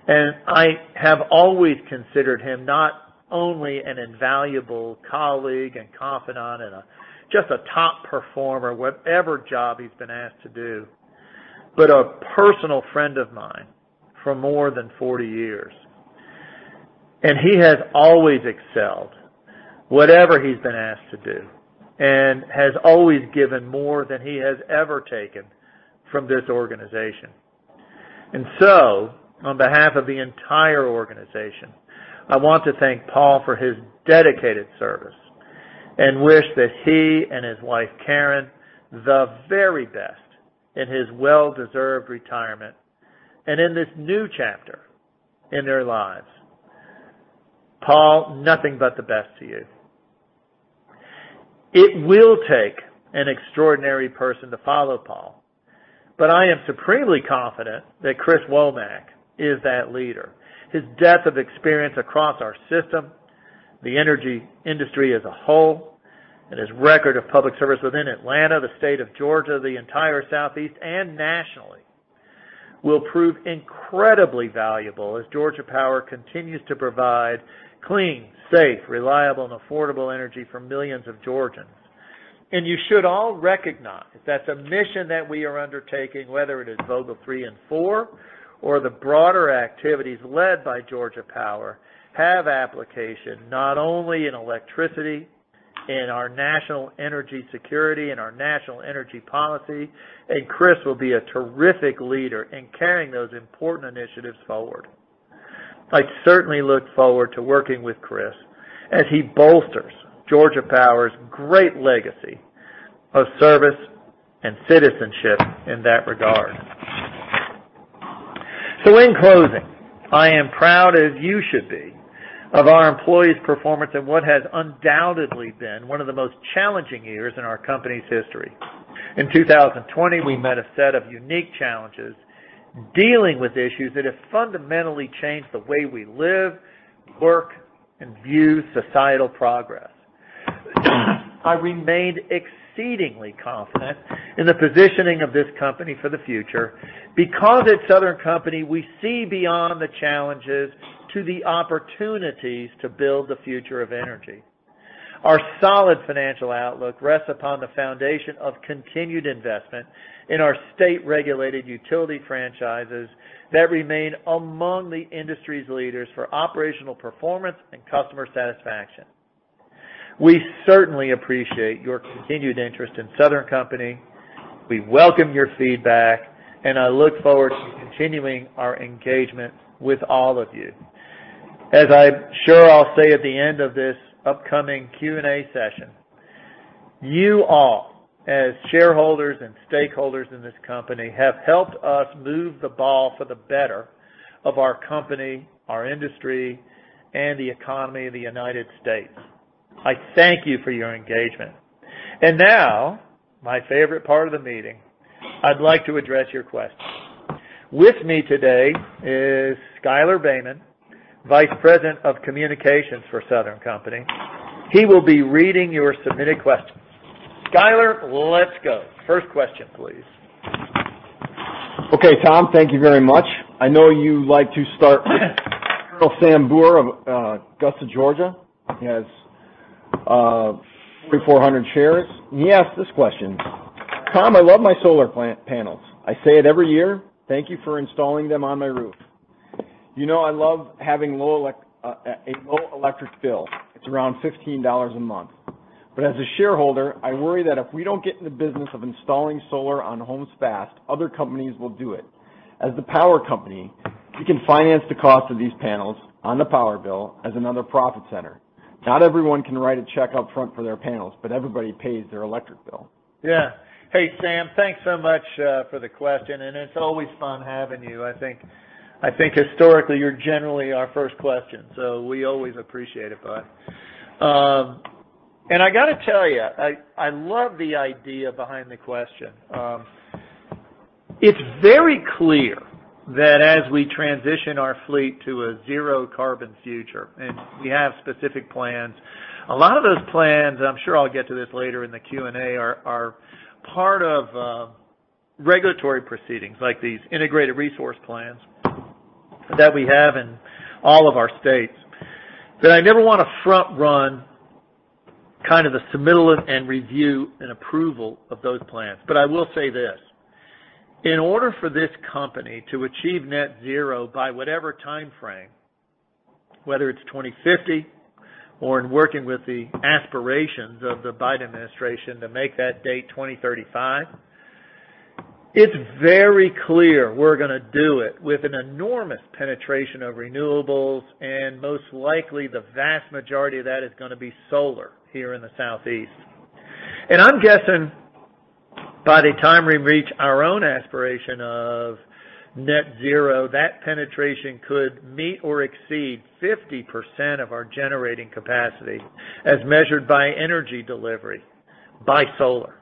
and I have always considered him not only an invaluable colleague and confidant and just a top performer, whatever job he's been asked to do, but a personal friend of mine for more than 40 years. He has always excelled whatever he's been asked to do and has always given more than he has ever taken from this organization. On behalf of the entire organization, I want to thank Paul for his dedicated service and wish that he and his wife, Karen, the very best in his well-deserved retirement and in this new chapter in their lives. Paul, nothing but the best to you. It will take an extraordinary person to follow Paul, but I am supremely confident that Chris Womack is that leader. His depth of experience across our system, the energy industry as a whole, and his record of public service within Atlanta, the state of Georgia, the entire Southeast, and nationally, will prove incredibly valuable as Georgia Power continues to provide clean, safe, reliable, and affordable energy for millions of Georgians. You should all recognize that the mission that we are undertaking, whether it is Vogtle 3 and 4 or the broader activities led by Georgia Power, have application not only in electricity, in our national energy security, in our national energy policy, Chris will be a terrific leader in carrying those important initiatives forward. I certainly look forward to working with Chris as he bolsters Georgia Power's great legacy of service and citizenship in that regard. In closing, I am proud as you should be of our employees' performance in what has undoubtedly been one of the most challenging years in our company's history. In 2020, we met a set of unique challenges dealing with issues that have fundamentally changed the way we live, work, and view societal progress. I remain exceedingly confident in the positioning of this company for the future. Because at Southern Company, we see beyond the challenges to the opportunities to build the future of energy. Our solid financial outlook rests upon the foundation of continued investment in our state-regulated utility franchises that remain among the industry's leaders for operational performance and customer satisfaction. We certainly appreciate your continued interest in Southern Company. We welcome your feedback, and I look forward to continuing our engagement with all of you. As I'm sure I'll say at the end of this upcoming Q&A session, you all, as shareholders and stakeholders in this company, have helped us move the ball for the better of our company, our industry, and the economy of the United States. I thank you for your engagement. Now, my favorite part of the meeting, I'd like to address your questions. With me today is Schuyler Baehman, Vice President of Communications for Southern Company. He will be reading your submitted questions. Schuyler, let's go. First question, please. Tom, thank you very much. I know you like to start with [Colonel Sam Burr] of Augusta, Georgia. He has 3,400 shares, and he asked this question: "Tom, I love my solar panels. I say it every year. Thank you for installing them on my roof. You know I love having a low electric bill. It's around $15 a month. As a shareholder, I worry that if we don't get in the business of installing solar on homes fast, other companies will do it. As the power company, we can finance the cost of these panels on the power bill as another profit center. Not everyone can write a check up front for their panels, but everybody pays their electric bill. Yeah. Hey, Sam. Thanks so much for the question, and it's always fun having you. I think historically, you're generally our first question, we always appreciate it, bud. I got to tell you, I love the idea behind the question. It's very clear that as we transition our fleet to a zero-carbon future, and we have specific plans, a lot of those plans, I'm sure I'll get to this later in the Q&A, are part of regulatory proceedings, like these integrated resource plans that we have in all of our states, that I never want to front-run kind of the submittal and review and approval of those plans. I will say this. In order for this company to achieve net zero by whatever timeframe, whether it's 2050 or in working with the aspirations of the Biden administration to make that date 2035, it's very clear we're going to do it with an enormous penetration of renewables, and most likely the vast majority of that is going to be solar here in the Southeast. I'm guessing by the time we reach our own aspiration of net zero, that penetration could meet or exceed 50% of our generating capacity as measured by energy delivery by solar.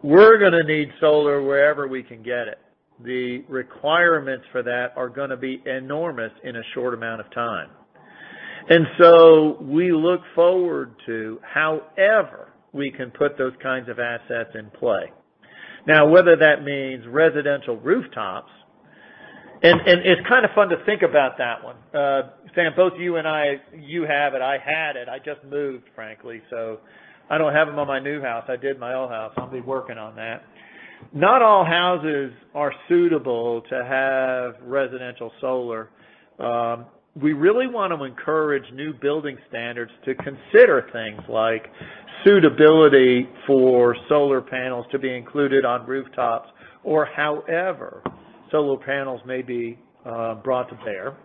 We're going to need solar wherever we can get it. The requirements for that are going to be enormous in a short amount of time. We look forward to however we can put those kinds of assets in play. Whether that means residential rooftops, and it's kind of fun to think about that one. Sam, both you and I, you have it, I had it. I just moved, frankly, so I don't have them on my new house. I did my old house. I'll be working on that. Not all houses are suitable to have residential solar. We really want to encourage new building standards to consider things like suitability for solar panels to be included on rooftops or however solar panels may be brought to bear.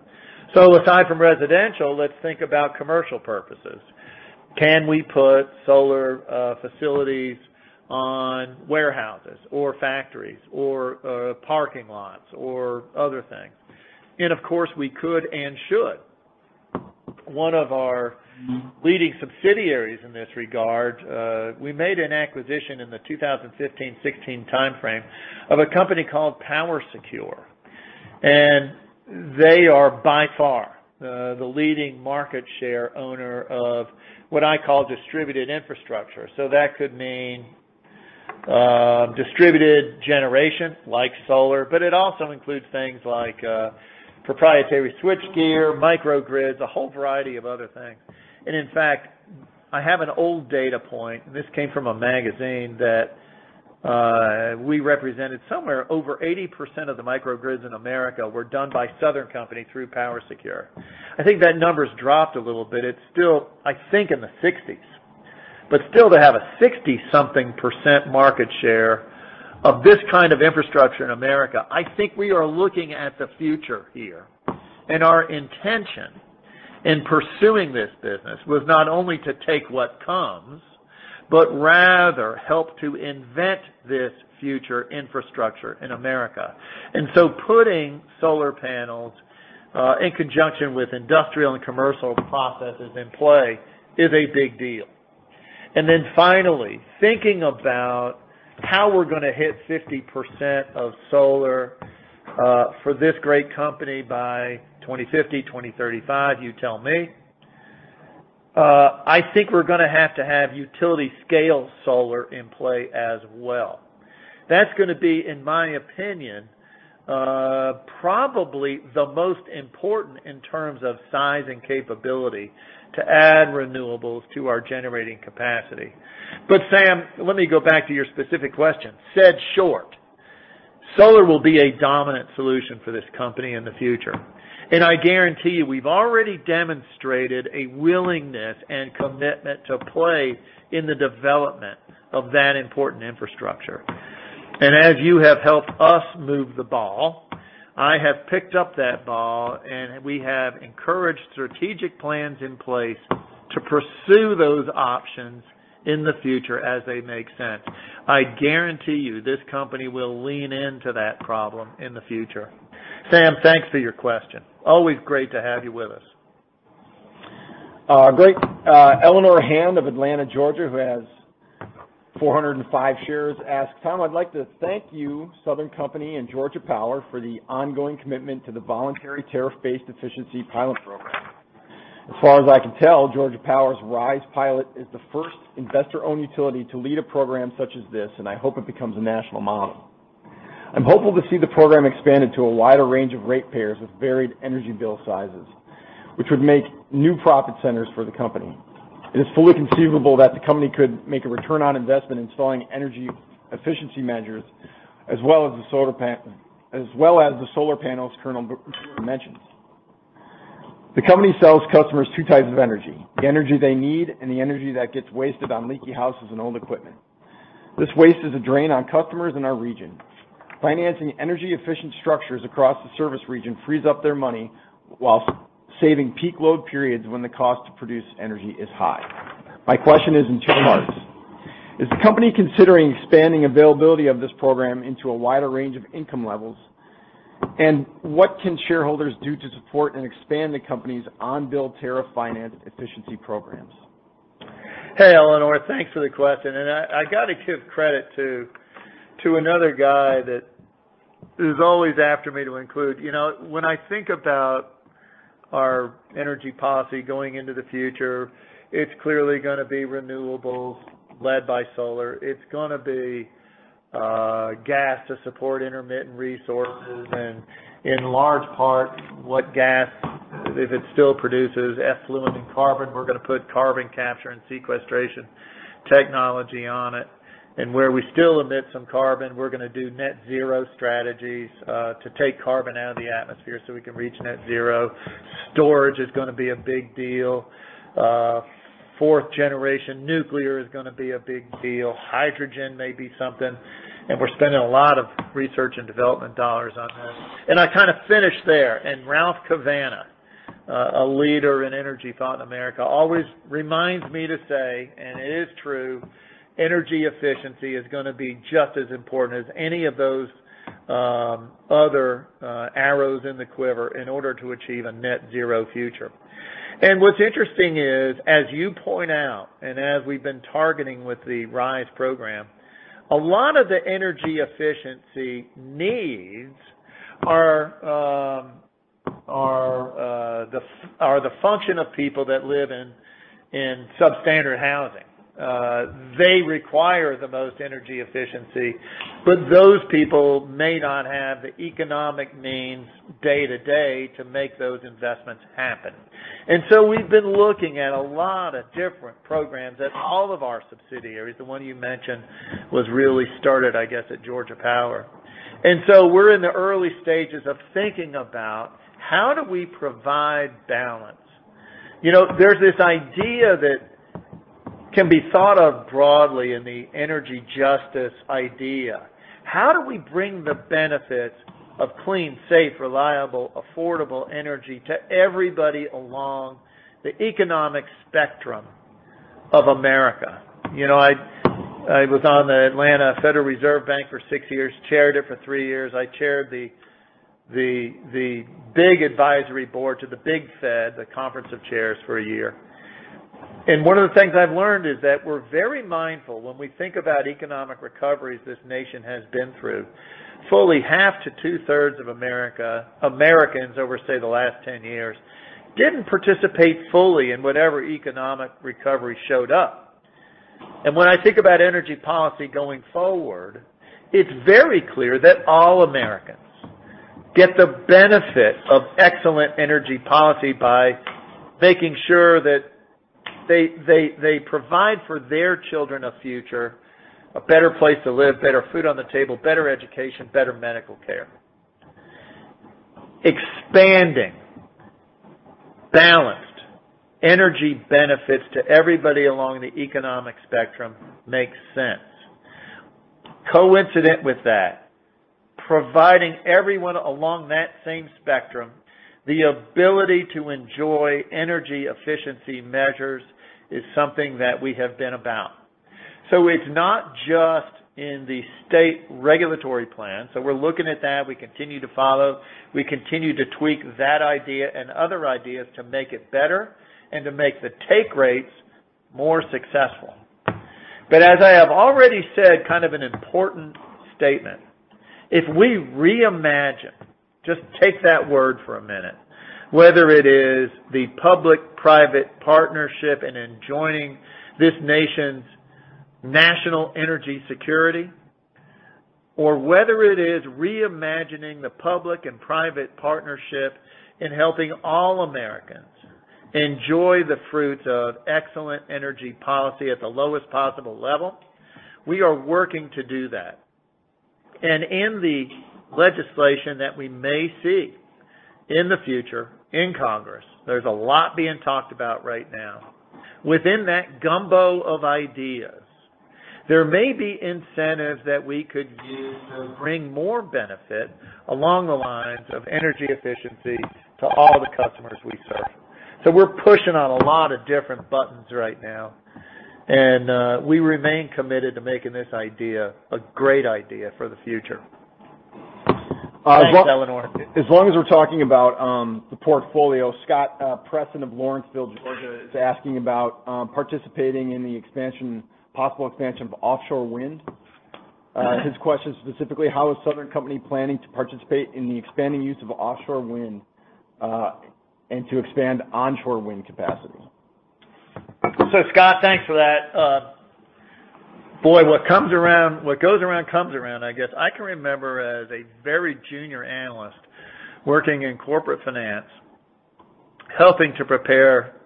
Aside from residential, let's think about commercial purposes. Can we put solar facilities on warehouses or factories or parking lots or other things? Of course, we could and should. One of our leading subsidiaries in this regard, we made an acquisition in the 2015-2016 timeframe of a company called PowerSecure. They are by far the leading market share owner of what I call distributed infrastructure. That could mean distributed generation like solar. It also includes things like proprietary switchgear, microgrids, a whole variety of other things. In fact, I have an old data point, and this came from a magazine that we represented somewhere over 80% of the microgrids in America were done by Southern Company through PowerSecure. I think that number's dropped a little bit. It's still, I think, in the 60s. Still, to have a 60-something% market share of this kind of infrastructure in America, I think we are looking at the future here. Our intention in pursuing this business was not only to take what comes, but rather help to invent this future infrastructure in America. Putting solar panels in conjunction with industrial and commercial processes in play is a big deal. Finally, thinking about how we're going to hit 50% of solar for this great company by 2050, 2035, you tell me, I think we're going to have to have utility scale solar in play as well. That's going to be, in my opinion, probably the most important in terms of size and capability to add renewables to our generating capacity. Sam, let me go back to your specific question. Said short, solar will be a dominant solution for this company in the future, and I guarantee you, we've already demonstrated a willingness and commitment to play in the development of that important infrastructure. As you have helped us move the ball, I have picked up that ball and we have encouraged strategic plans in place to pursue those options in the future as they make sense. I guarantee you, this company will lean into that problem in the future. Sam, thanks for your question. Always great to have you with us. Great. [Eleanor Ham] of Atlanta, Georgia, who has 405 shares, asks, "Tom, I'd like to thank you, Southern Company and Georgia Power for the ongoing commitment to the voluntary tariff-based efficiency pilot program. As far as I can tell, Georgia Power's RISE pilot is the first investor-owned utility to lead a program such as this, and I hope it becomes a national model. I'm hopeful to see the program expanded to a wider range of ratepayers with varied energy bill sizes, which would make new profit centers for the company. It is fully conceivable that the company could make a return on investment in selling energy efficiency measures as well as the solar panels [Colonel Buchheit] mentioned. The company sells customers two types of energy, the energy they need and the energy that gets wasted on leaky houses and old equipment. This waste is a drain on customers in our region. Financing energy efficient structures across the service region frees up their money while saving peak load periods when the cost to produce energy is high. My question is in two parts. Is the company considering expanding availability of this program into a wider range of income levels? What can shareholders do to support and expand the company's on-bill tariff finance efficiency programs? Hey, Eleanor, thanks for the question, and I got to give credit to another guy that is always after me to include. When I think about our energy policy going into the future, it's clearly going to be renewables led by solar. It's going to be gas to support intermittent resources, and in large part, what gas, if it still produces effluent and carbon, we're going to put carbon capture and sequestration technology on it. Where we still emit some carbon, we're going to do net zero strategies to take carbon out of the atmosphere so we can reach net zero. Storage is going to be a big deal. Fourth generation nuclear is going to be a big deal. Hydrogen may be something, and we're spending a lot of research and development dollars on this. I kind of finish there. Ralph Cavanagh, a leader in energy thought in America, always reminds me to say, and it is true, energy efficiency is going to be just as important as any of those other arrows in the quiver in order to achieve a net zero future. What's interesting is, as you point out, and as we've been targeting with the RISE program, a lot of the energy efficiency needs are the function of people that live in substandard housing. They require the most energy efficiency, but those people may not have the economic means day to day to make those investments happen. We've been looking at a lot of different programs at all of our subsidiaries. The one you mentioned was really started, I guess, at Georgia Power. We're in the early stages of thinking about how do we provide balance. There's this idea that can be thought of broadly in the energy justice idea. How do we bring the benefits of clean, safe, reliable, affordable energy to everybody along the economic spectrum of America? I was on the Federal Reserve Bank of Atlanta for six years, chaired it for three years. I chaired the big advisory board to the big Fed, the Conference of Chairs, for one year. One of the things I've learned is that we're very mindful when we think about economic recoveries this nation has been through, fully half to two-thirds of Americans over, say, the last 10 years, didn't participate fully in whatever economic recovery showed up. When I think about energy policy going forward, it's very clear that all Americans get the benefit of excellent energy policy by making sure that they provide for their children a future, a better place to live, better food on the table, better education, better medical care. Expanding balanced energy benefits to everybody along the economic spectrum makes sense. Coincident with that, providing everyone along that same spectrum the ability to enjoy energy efficiency measures is something that we have been about. It's not just in the state regulatory plan. We're looking at that. We continue to follow. We continue to tweak that idea and other ideas to make it better and to make the take rates more successful. As I have already said, kind of an important statement, if we reimagine, just take that word for a minute, whether it is the public-private partnership and enjoying this nation's national energy security, or whether it is reimagining the public and private partnership in helping all Americans enjoy the fruits of excellent energy policy at the lowest possible level, we are working to do that. In the legislation that we may see in the future in Congress, there's a lot being talked about right now. Within that gumbo of ideas, there may be incentives that we could use to bring more benefit along the lines of energy efficiency to all the customers we serve. We're pushing on a lot of different buttons right now, and we remain committed to making this idea a great idea for the future. Thanks, Eleanor. As long as we're talking about the portfolio, [Scott Preston] of Lawrenceville, Georgia, is asking about participating in the possible expansion of offshore wind. His question specifically, "How is Southern Company planning to participate in the expanding use of offshore wind, and to expand onshore wind capacity? Scott, thanks for that. Boy, what goes around, comes around, I guess. I can remember as a very junior analyst working in corporate finance, helping to prepare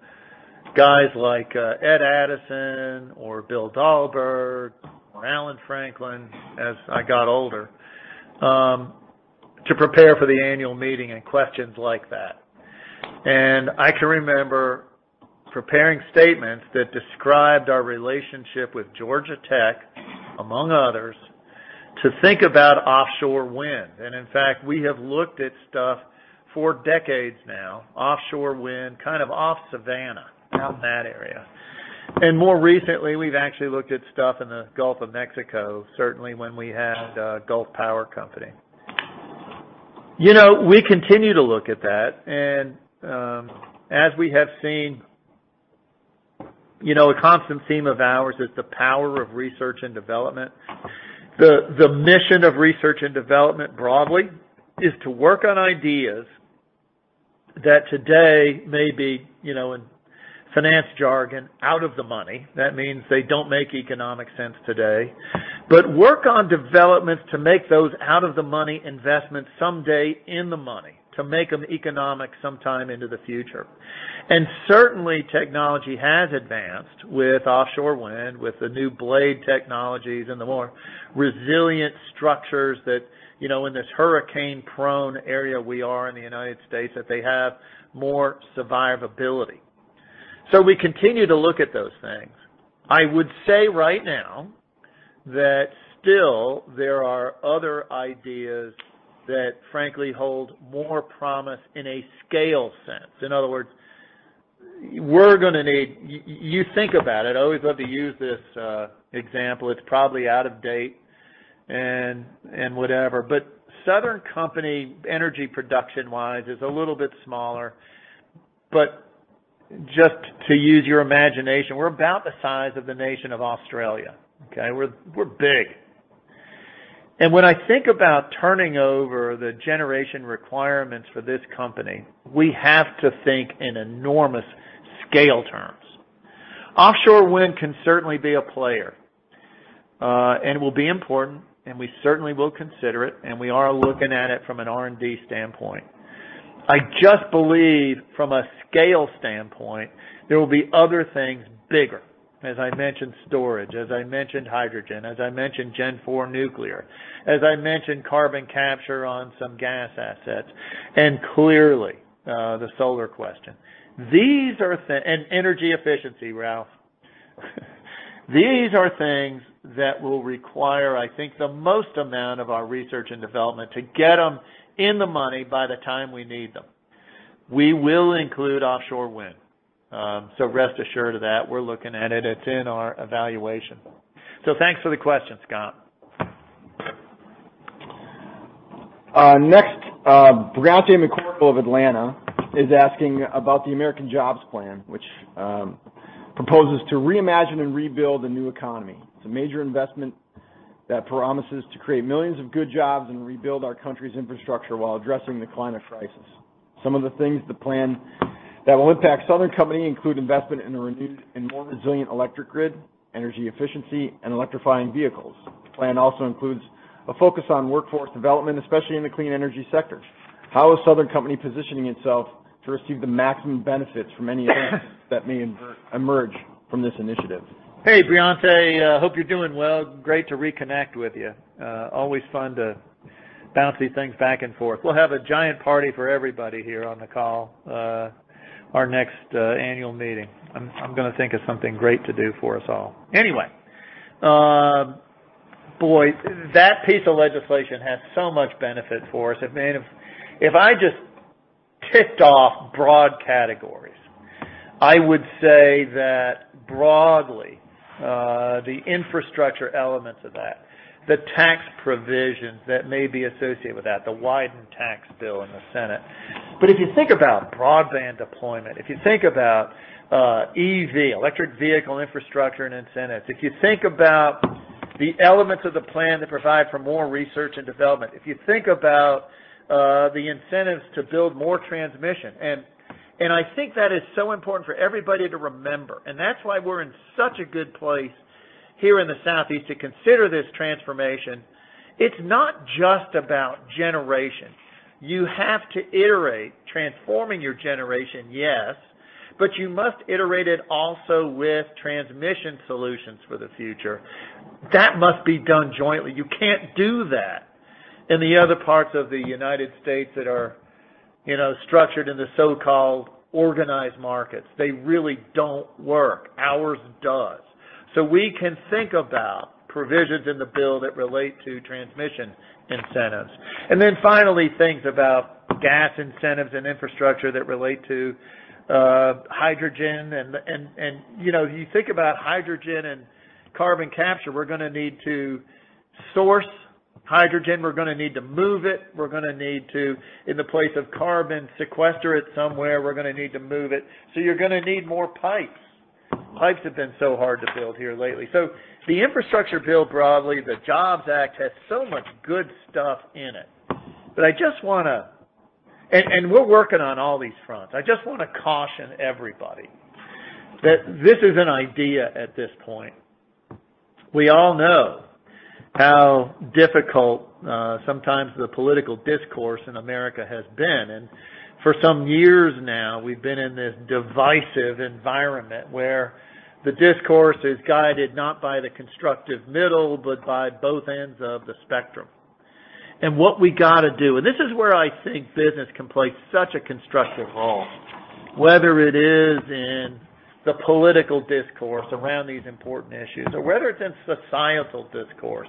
guys like Ed Addison or Bill Dahlberg or Allen Franklin as I got older, to prepare for the annual meeting and questions like that. I can remember preparing statements that described our relationship with Georgia Tech, among others, to think about offshore wind. In fact, we have looked at stuff for decades now, offshore wind kind of off Savannah, out in that area. More recently, we've actually looked at stuff in the Gulf of Mexico, certainly when we had Gulf Power Company. We continue to look at that. As we have seen, a constant theme of ours is the power of research and development. The mission of research and development broadly is to work on ideas that today may be, in finance jargon, out of the money. That means they don't make economic sense today. Work on developments to make those out-of-the-money investments someday in the money, to make them economic sometime into the future. Certainly, technology has advanced with offshore wind, with the new blade technologies, and the more resilient structures that, in this hurricane-prone area we are in the U.S., that they have more survivability. We continue to look at those things. I would say right now that still there are other ideas that frankly hold more promise in a scale sense. In other words, you think about it. I always love to use this example. It's probably out of date and whatever, Southern Company, energy production-wise, is a little bit smaller, but just to use your imagination, we're about the size of the nation of Australia. Okay. We're big. When I think about turning over the generation requirements for this company, we have to think in enormous scale terms. Offshore wind can certainly be a player, and will be important, and we certainly will consider it, and we are looking at it from an R&D standpoint. I just believe, from a scale standpoint, there will be other things bigger. As I mentioned storage, as I mentioned hydrogen, as I mentioned Gen4 nuclear, as I mentioned carbon capture on some gas assets, and clearly, the solar question. Energy efficiency, Ralph. These are things that will require, I think, the most amount of our research and development to get them in the money by the time we need them. We will include offshore wind, rest assured of that. We're looking at it. It's in our evaluation. Thanks for the question, Scott. Next, [Briante McCorkle] of Atlanta is asking about the American Jobs Plan, which proposes to reimagine and rebuild a new economy. It's a major investment that promises to create millions of good jobs and rebuild our country's infrastructure while addressing the climate crisis. Some of the things the plan that will impact Southern Company include investment in a renewed and more resilient electric grid, energy efficiency, and electrifying vehicles. The plan also includes a focus on workforce development, especially in the clean energy sector. How is Southern Company positioning itself to receive the maximum benefits from any events that may emerge from this initiative? Hey, Briante. Hope you're doing well. Great to reconnect with you. Always fun to bounce these things back and forth. We'll have a giant party for everybody here on the call, our next annual meeting. I'm going to think of something great to do for us all. That piece of legislation had so much benefit for us. If I just ticked off broad categories, I would say that broadly, the infrastructure elements of that, the tax provisions that may be associated with that, the Wyden tax bill in the Senate. If you think about broadband deployment, if you think about EV, electric vehicle infrastructure and incentives, if you think about the elements of the plan that provide for more research and development, if you think about the incentives to build more transmission. I think that is so important for everybody to remember, and that's why we're in such a good place here in the Southeast to consider this transformation. It's not just about generation. You have to iterate, transforming your generation, yes, but you must iterate it also with transmission solutions for the future. That must be done jointly. You can't do that in the other parts of the United States that are structured in the so-called organized markets. They really don't work. Ours does. We can think about provisions in the bill that relate to transmission incentives. Finally, things about gas incentives and infrastructure that relate to hydrogen. You think about hydrogen and carbon capture, we're going to need to source hydrogen, we're going to need to move it, we're going to need to, in the place of carbon, sequester it somewhere, we're going to need to move it. You're going to need more pipes. Pipes have been so hard to build here lately. The infrastructure bill broadly, the Jobs Act, has so much good stuff in it. We're working on all these fronts. I just want to caution everybody that this is an idea at this point. We all know how difficult sometimes the political discourse in America has been. For some years now, we've been in this divisive environment where the discourse is guided not by the constructive middle, but by both ends of the spectrum. What we got to do, and this is where I think business can play such a constructive role, whether it is in the political discourse around these important issues or whether it's the societal discourse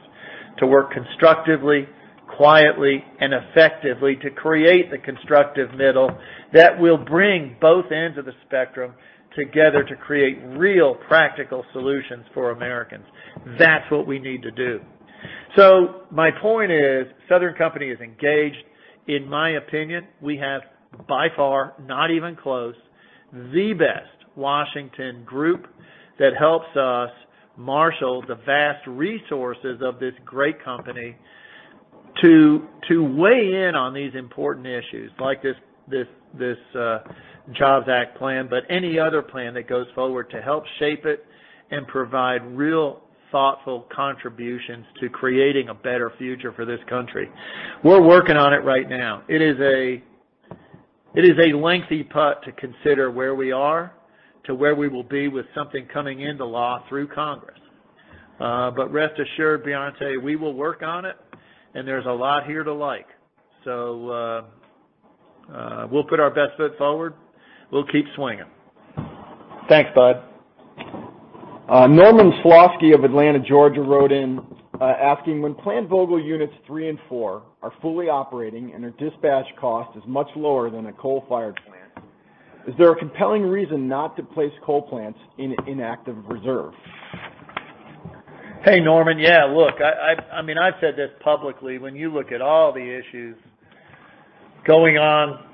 to work constructively, quietly, and effectively to create the constructive middle that will bring both ends of the spectrum together to create real, practical solutions for Americans. That's what we need to do. My point is, Southern Company is engaged. In my opinion, we have by far, not even close, the best Washington group that helps us marshal the vast resources of this great company to weigh in on these important issues like this American Jobs Plan, but any other plan that goes forward to help shape it and provide real thoughtful contributions to creating a better future for this country. We're working on it right now. It is a lengthy putt to consider where we are to where we will be with something coming into law through Congress. Rest assured, Briante McCorkle, we will work on it, and there's a lot here to like. We'll put our best foot forward. We'll keep swinging. Thanks, bud. Norman Slosky of Atlanta, Georgia, wrote in asking, "When Plant Vogtle Units 3 and 4 are fully operating and their dispatch cost is much lower than a coal-fired plant, is there a compelling reason not to place coal plants in inactive reserve?" Hey, Norman. Yeah, look, I've said this publicly. When you look at all the issues going on,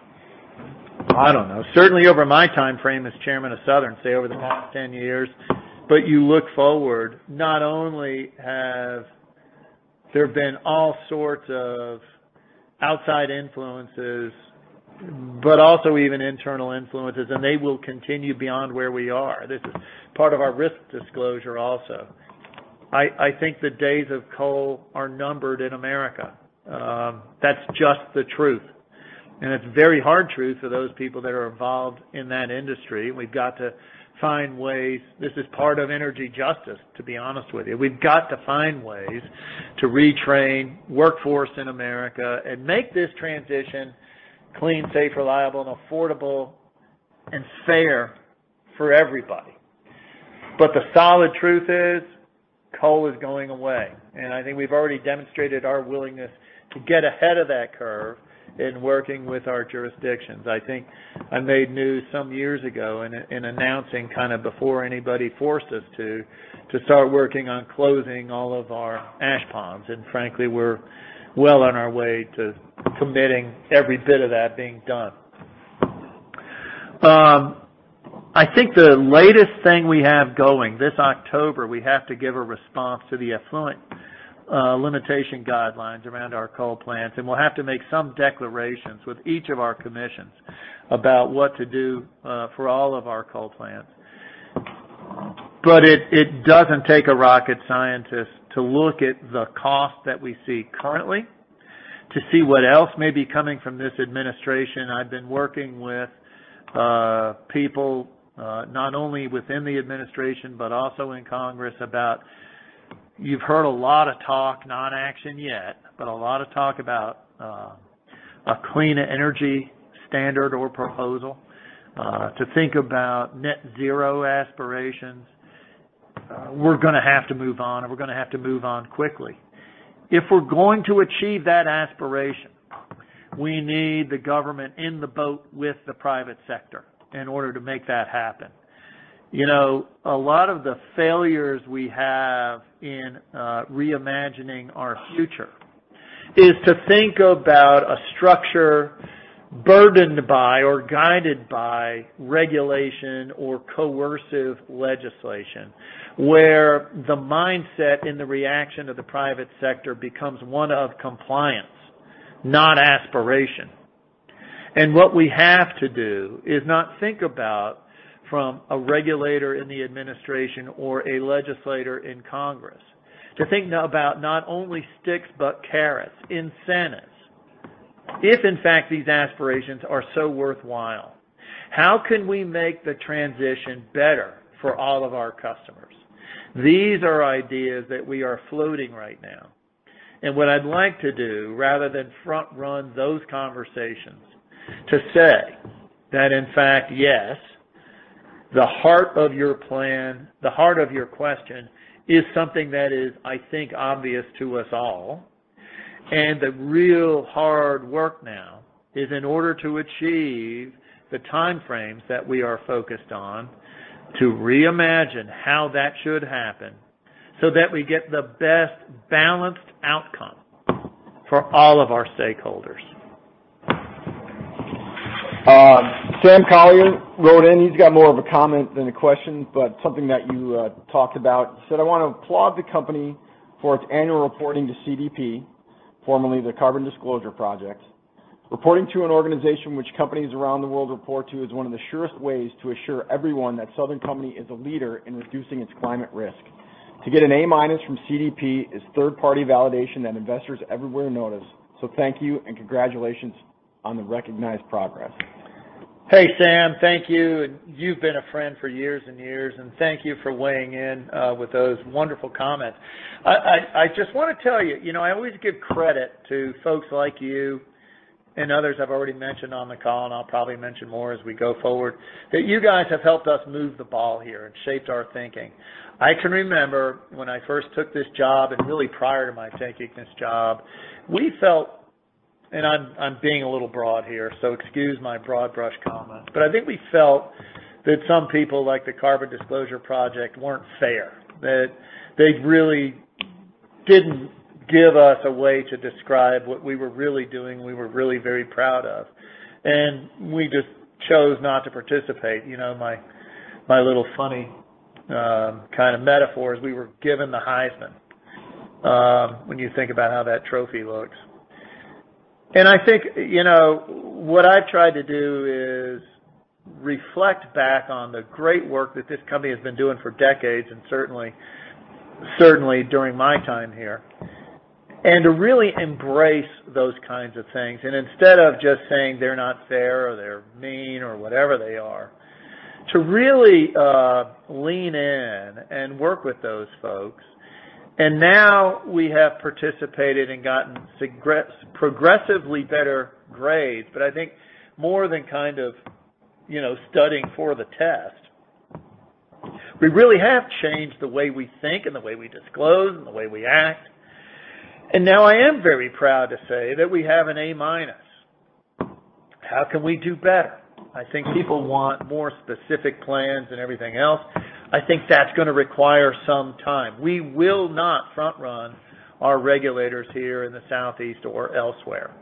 I don't know, certainly over my timeframe as chairman of Southern, say, over the past 10 years, but you look forward, not only have there been all sorts of outside influences, but also even internal influences, and they will continue beyond where we are. This is part of our risk disclosure also. I think the days of coal are numbered in America. That's just the truth, and it's a very hard truth for those people that are involved in that industry, and we've got to find ways. This is part of energy justice, to be honest with you. We've got to find ways to retrain workforce in America and make this transition clean, safe, reliable, and affordable, and fair for everybody. The solid truth is coal is going away, I think we've already demonstrated our willingness to get ahead of that curve in working with our jurisdictions. I think I made news some years ago in announcing kind of before anybody forced us to start working on closing all of our ash ponds, and frankly, we're well on our way to committing every bit of that being done. I think the latest thing we have going, this October, we have to give a response to the Effluent Limitation Guidelines around our coal plants, and we'll have to make some declarations with each of our commissions about what to do for all of our coal plants. It doesn't take a rocket scientist to look at the cost that we see currently to see what else may be coming from this administration. I've been working with people not only within the administration but also in Congress about, you've heard a lot of talk, not action yet, but a lot of talk about a Clean Energy Standard or proposal to think about net-zero aspirations. We're going to have to move on. We're going to have to move on quickly. If we're going to achieve that aspiration, we need the government in the boat with the private sector in order to make that happen. A lot of the failures we have in reimagining our future is to think about a structure burdened by or guided by regulation or coercive legislation, where the mindset and the reaction of the private sector becomes one of compliance, not aspiration. What we have to do is not think about from a regulator in the administration or a legislator in Congress, to think about not only sticks, but carrots, incentives. If in fact these aspirations are so worthwhile, how can we make the transition better for all of our customers? These are ideas that we are floating right now. What I'd like to do, rather than front-run those conversations, to say that in fact, yes, the heart of your question is something that is, I think, obvious to us all. The real hard work now is in order to achieve the time frames that we are focused on to reimagine how that should happen so that we get the best balanced outcome for all of our stakeholders. Sam Collier wrote in. He's got more of a comment than a question, but something that you talked about. He said, "I want to applaud the company for its annual reporting to CDP, formerly the Carbon Disclosure Project. Reporting to an organization which companies around the world report to is one of the surest ways to assure everyone that Southern Company is a leader in reducing its climate risk. To get an A- from CDP is third-party validation that investors everywhere notice. Thank you and congratulations on the recognized progress. Hey, Sam. Thank you. You've been a friend for years and years, and thank you for weighing in with those wonderful comments. I just want to tell you, I always give credit to folks like you and others I've already mentioned on the call, and I'll probably mention more as we go forward, that you guys have helped us move the ball here and shaped our thinking. I can remember when I first took this job, and really prior to my taking this job, we felt, and I'm being a little broad here, so excuse my broad brush comment, but I think we felt that some people like the Carbon Disclosure Project weren't fair, that they really didn't give us a way to describe what we were really doing, we were really very proud of. We just chose not to participate. My little funny kind of metaphor is we were given the hyphen when you think about how that trophy looks. I think what I tried to do is reflect back on the great work that this company has been doing for decades, and certainly during my time here, and to really embrace those kinds of things. Instead of just saying they're not fair or they're mean or whatever they are, to really lean in and work with those folks. Now we have participated and gotten progressively better grades. I think more than kind of studying for the test, we really have changed the way we think and the way we disclose and the way we act. Now I am very proud to say that we have an A-minus. How can we do better? I think people want more specific plans and everything else. I think that's going to require some time. We will not front-run our regulators here in the Southeast or elsewhere.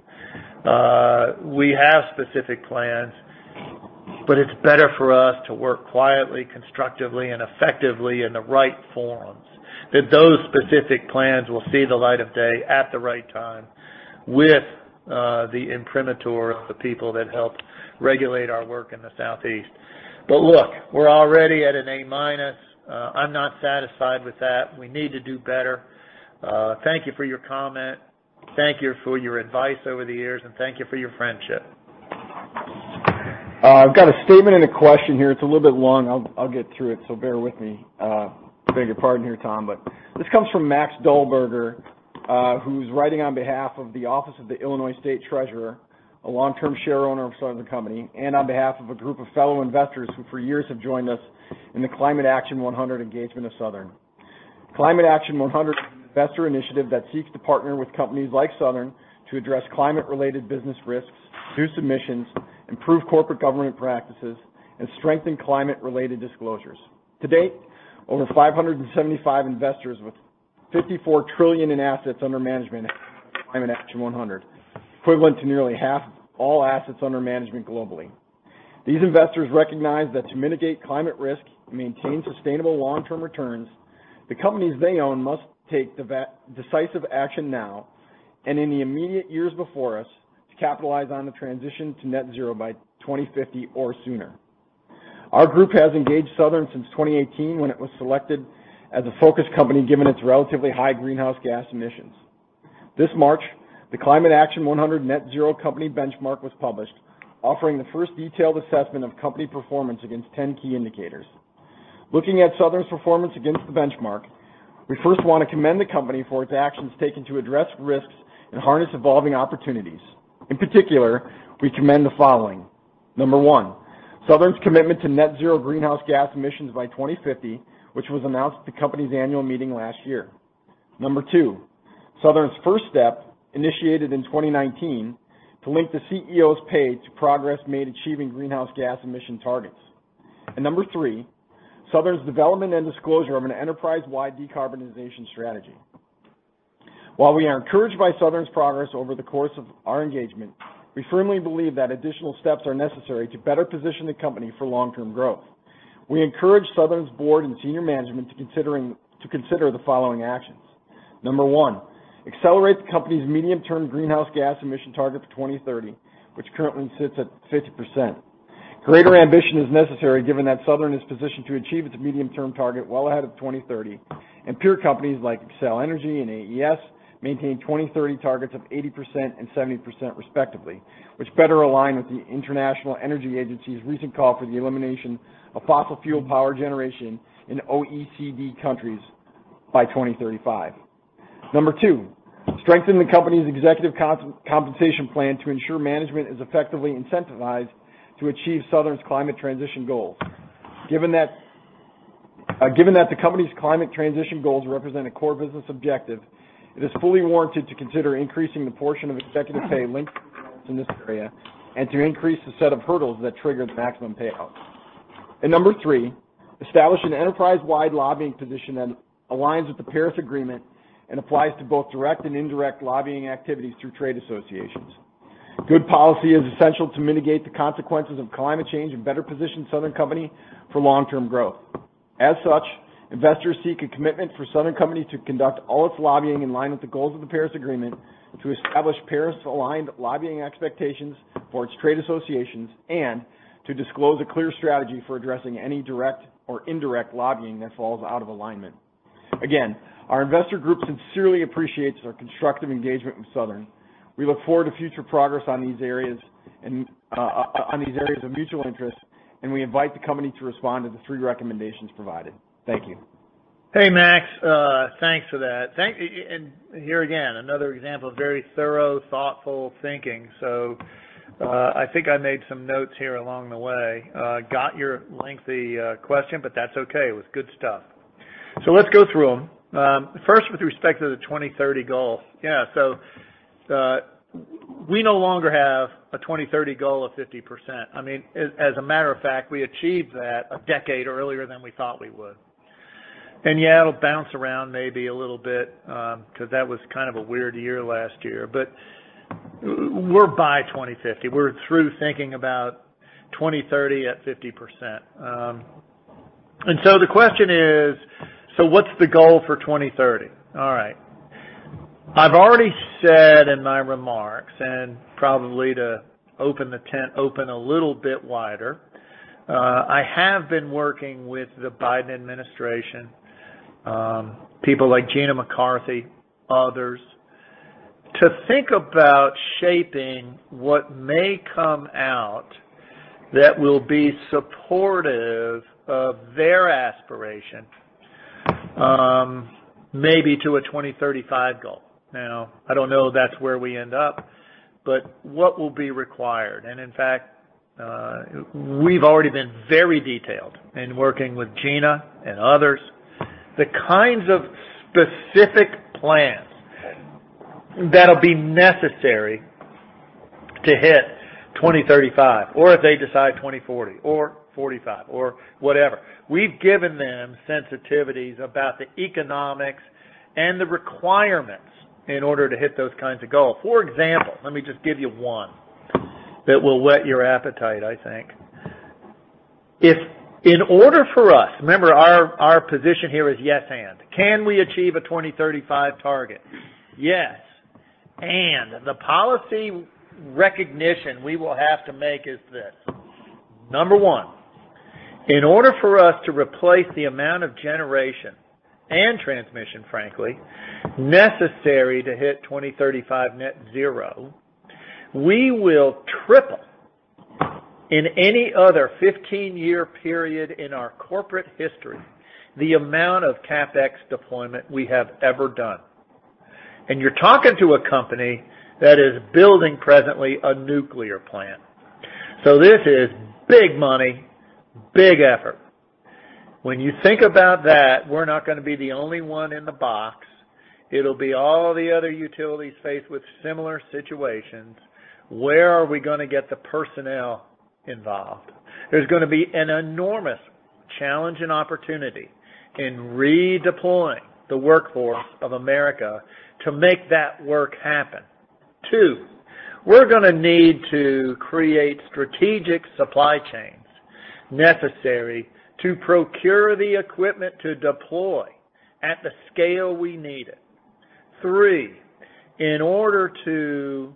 It's better for us to work quietly, constructively, and effectively in the right forums that those specific plans will see the light of day at the right time with the imprimatur of the people that helped regulate our work in the Southeast. Look, we're already at an A-minus. I'm not satisfied with that. We need to do better. Thank you for your comment. Thank you for your advice over the years, and thank you for your friendship. I've got a statement and a question here. It's a little bit long. I'll get through it, so bear with me. Beg your pardon here, Tom, this comes from Max Dulberger, who's writing on behalf of the Office of the Illinois State Treasurer, a long-term shareowner of Southern Company, and on behalf of a group of fellow investors who for years have joined us in the Climate Action 100 engagement of Southern. Climate Action 100 is an investor initiative that seeks to partner with companies like Southern to address climate-related business risks, reduce emissions, improve corporate government practices, and strengthen climate-related disclosures. To date, over 575 investors with $54 trillion in assets under management in Climate Action 100, equivalent to nearly half of all assets under management globally. These investors recognize that to mitigate climate risk and maintain sustainable long-term returns, the companies they own must take decisive action now and in the immediate years before us to capitalize on the transition to net zero by 2050 or sooner. Our group has engaged Southern since 2018 when it was selected as a focus company given its relatively high greenhouse gas emissions. This March, the Climate Action 100+ Net-Zero Company Benchmark was published, offering the first detailed assessment of company performance against 10 key indicators. Looking at Southern's performance against the benchmark, we first want to commend the company for its actions taken to address risks and harness evolving opportunities. In particular, we commend the following. Number one, Southern's commitment to net zero greenhouse gas emissions by 2050, which was announced at the company's annual meeting last year. Number two, Southern's first step, initiated in 2019, to link the CEO's pay to progress made achieving greenhouse gas emission targets. Number three, Southern's development and disclosure of an enterprise-wide decarbonization strategy. While we are encouraged by Southern's progress over the course of our engagement, we firmly believe that additional steps are necessary to better position the company for long-term growth. We encourage Southern's board and senior management to consider the following actions. Number one, accelerate the company's medium-term greenhouse gas emission target for 2030, which currently sits at 50%. Greater ambition is necessary given that Southern is positioned to achieve its medium-term target well ahead of 2030, and peer companies like Xcel Energy and AES maintain 2030 targets of 80% and 70% respectively, which better align with the International Energy Agency's recent call for the elimination of fossil fuel power generation in OECD countries by 2035. Number two, strengthen the company's executive compensation plan to ensure management is effectively incentivized to achieve Southern's climate transition goals. Given that the company's climate transition goals represent a core business objective, it is fully warranted to consider increasing the portion of executive pay linked to goals in this area and to increase the set of hurdles that triggers maximum payouts. Number three, establish an enterprise-wide lobbying position that aligns with the Paris Agreement and applies to both direct and indirect lobbying activities through trade associations. A good policy is essential to mitigate the consequences of climate change and better position Southern Company for long-term growth. As such, investors seek a commitment for Southern Company to conduct all its lobbying in line with the goals of the Paris Agreement, to establish Paris-aligned lobbying expectations for its trade associations, and to disclose a clear strategy for addressing any direct or indirect lobbying that falls out of alignment. Again, our investor group sincerely appreciates our constructive engagement with Southern. We look forward to future progress on these areas of mutual interest, and we invite the company to respond to the three recommendations provided. Thank you. Hey, Max. Thanks for that. Here again, another example of very thorough, thoughtful thinking. I think I made some notes here along the way. Got your lengthy question, but that's okay. It was good stuff. Let's go through them. First, with respect to the 2030 goal. We no longer have a 2030 goal of 50%. As a matter of fact, we achieved that a decade earlier than we thought we would. It'll bounce around maybe a little bit, because that was kind of a weird year last year. We're by 2050. We're through thinking about 2030 at 50%. The question is, what's the goal for 2030? All right. I've already said in my remarks, and probably to open the tent open a little bit wider, I have been working with the Biden administration, people like Gina McCarthy, others, to think about shaping what may come out that will be supportive of their aspiration, maybe to a 2035 goal. Now, I don't know if that's where we end up, but what will be required? In fact, we've already been very detailed in working with Gina and others, the kinds of specific plans that'll be necessary to hit 2035, or if they decide 2040 or 2045 or whatever. We've given them sensitivities about the economics and the requirements in order to hit those kinds of goals. For example, let me just give you one that will whet your appetite, I think. Remember, our position here is yes and. Can we achieve a 2035 target? Yes. The policy recognition we will have to make is this. Number one, in order for us to replace the amount of generation and transmission, frankly, necessary to hit 2035 net zero, we will triple in any other 15-year period in our corporate history the amount of CapEx deployment we have ever done. You're talking to a company that is building presently a nuclear plant. This is big money, big effort. When you think about that, we're not going to be the only one in the box. It'll be all the other utilities faced with similar situations. Where are we going to get the personnel involved? There's going to be an enormous challenge and opportunity in redeploying the workforce of America to make that work happen. Two, we're going to need to create strategic supply chains necessary to procure the equipment to deploy at the scale we need it. Three, in order to,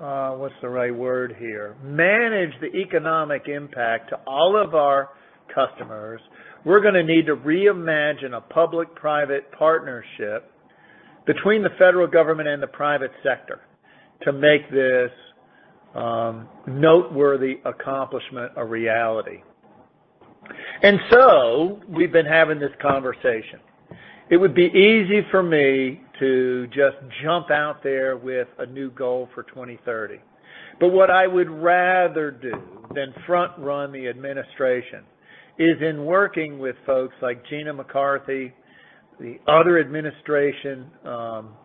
what's the right word here? Manage the economic impact to all of our customers, we're going to need to reimagine a public-private partnership between the federal government and the private sector to make this noteworthy accomplishment a reality. We've been having this conversation. It would be easy for me to just jump out there with a new goal for 2030. What I would rather do than front-run the administration is in working with folks like Gina McCarthy, the other administration,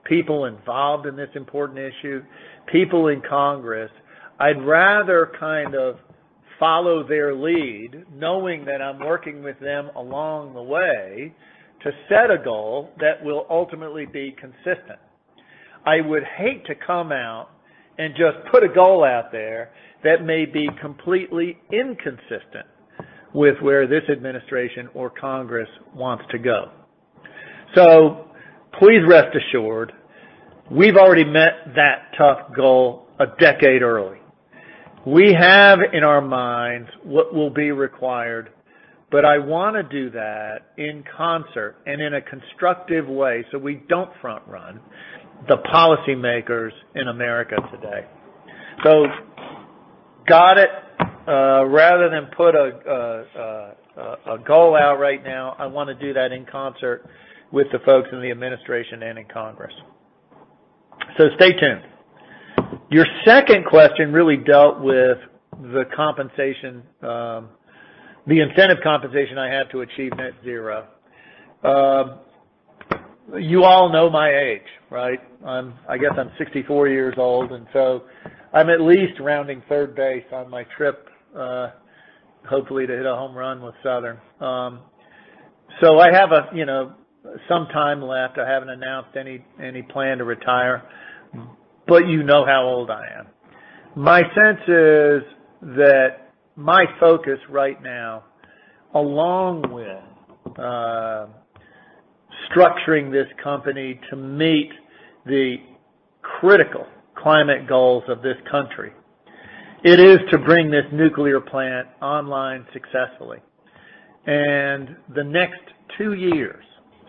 people involved in this important issue, people in Congress. I'd rather kind of follow their lead, knowing that I'm working with them along the way to set a goal that will ultimately be consistent. I would hate to come out and just put a goal out there that may be completely inconsistent with where this administration or Congress wants to go. Please rest assured, we've already met that tough goal 10 years early. We have in our minds what will be required, but I want to do that in concert and in a constructive way so we don't front-run the policymakers in America today. Got it. Rather than put a goal out right now, I want to do that in concert with the folks in the administration and in Congress. Stay tuned. Your second question really dealt with the incentive compensation I have to achieve net zero. You all know my age, right? I guess I'm 64 years old, I'm at least rounding third base on my trip, hopefully to hit a home run with Southern. I have some time left. I haven't announced any plan to retire, but you know how old I am. My sense is that my focus right now, along with structuring this company to meet the critical climate goals of this country, it is to bring this nuclear plant online successfully. The next two years,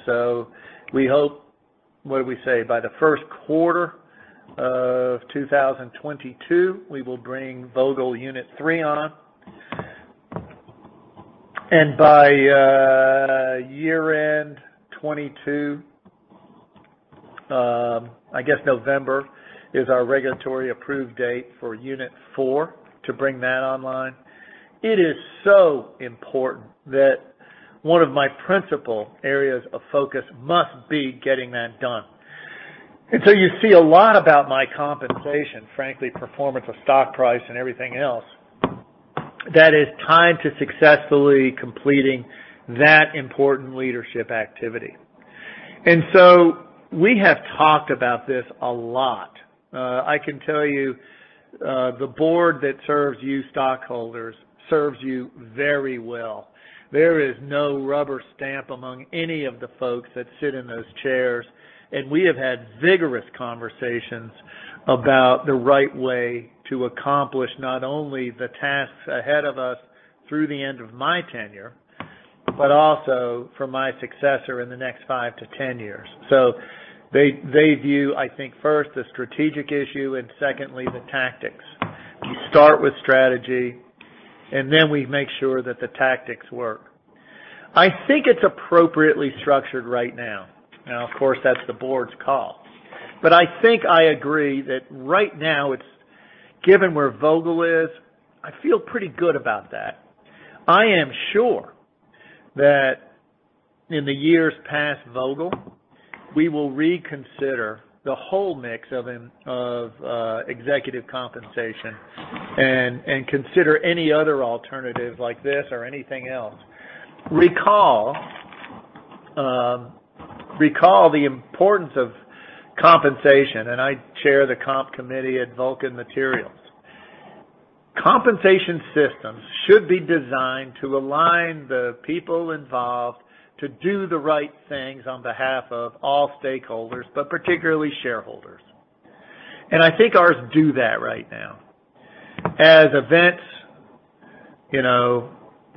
so we hope, what did we say? By the first quarter of 2022, we will bring Vogtle Unit 3 on. By year-end 2022, I guess November is our regulatory approved date for Unit 4 to bring that online. It is so important that one of my principal areas of focus must be getting that done. You see a lot about my compensation, frankly, performance of stock price and everything else, that is tied to successfully completing that important leadership activity. We have talked about this a lot. I can tell you, the board that serves you stockholders serves you very well. There is no rubber stamp among any of the folks that sit in those chairs. We have had vigorous conversations about the right way to accomplish not only the tasks ahead of us through the end of my tenure, but also for my successor in the next five to 10 years. They view, I think first the strategic issue and secondly, the tactics. We start with strategy, and then we make sure that the tactics work. I think it's appropriately structured right now. Now, of course, that's the board's call. I think I agree that right now, given where Vogtle is, I feel pretty good about that. I am sure that in the years past Vogtle, we will reconsider the whole mix of executive compensation and consider any other alternative like this or anything else. Recall the importance of compensation, I chair the Comp Committee at Vulcan Materials. Compensation systems should be designed to align the people involved to do the right things on behalf of all stakeholders, but particularly shareholders. I think ours do that right now. As events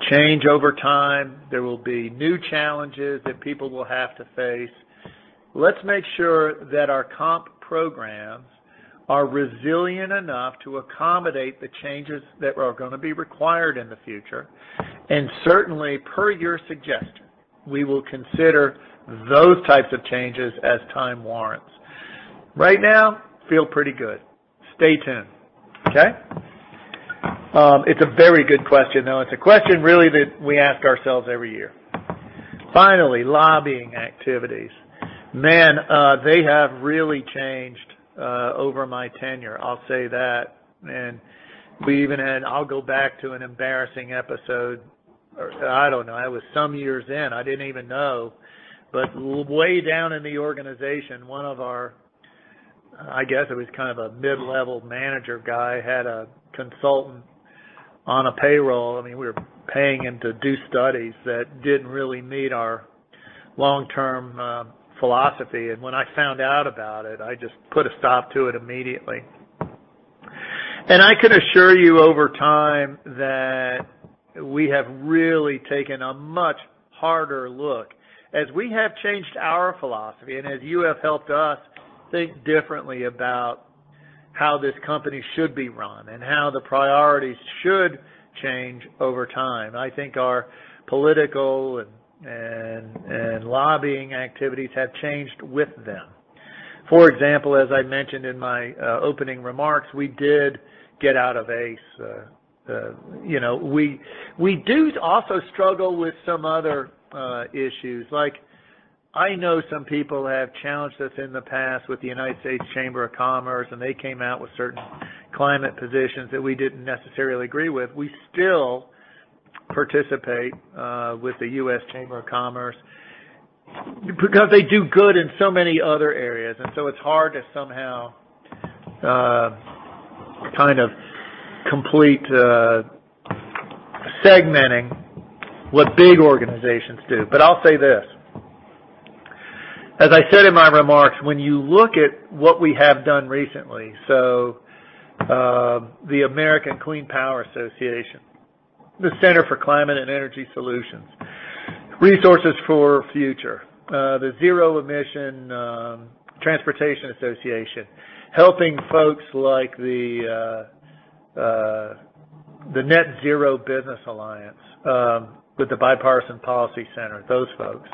change over time, there will be new challenges that people will have to face. Let's make sure that our comp programs are resilient enough to accommodate the changes that are going to be required in the future. Certainly, per your suggestion, we will consider those types of changes as time warrants. Right now, feel pretty good. Stay tuned. Okay. It's a very good question, though. It's a question really that we ask ourselves every year. Finally, lobbying activities. Man, they have really changed over my tenure, I'll say that. I'll go back to an embarrassing episode, or I don't know. I was some years in, I didn't even know. Way down in the organization, one of our, I guess it was kind of a mid-level manager guy, had a consultant on a payroll. We were paying him to do studies that didn't really meet our long-term philosophy. When I found out about it, I just put a stop to it immediately. I can assure you over time that we have really taken a much harder look. As we have changed our philosophy, and as you have helped us think differently about how this company should be run and how the priorities should change over time, I think our political and lobbying activities have changed with them. For example, as I mentioned in my opening remarks, we did get out of ACES. We do also struggle with some other issues. I know some people have challenged us in the past with the U.S. Chamber of Commerce, they came out with certain climate positions that we didn't necessarily agree with. We still participate with the U.S. Chamber of Commerce because they do good in so many other areas, it's hard to somehow complete segmenting what big organizations do. I'll say this. As I said in my remarks, when you look at what we have done recently, the American Clean Power Association, the Center for Climate and Energy Solutions, Resources for the Future, the Zero Emission Transportation Association, helping folks like the Net Zero Business Alliance with the Bipartisan Policy Center, those folks.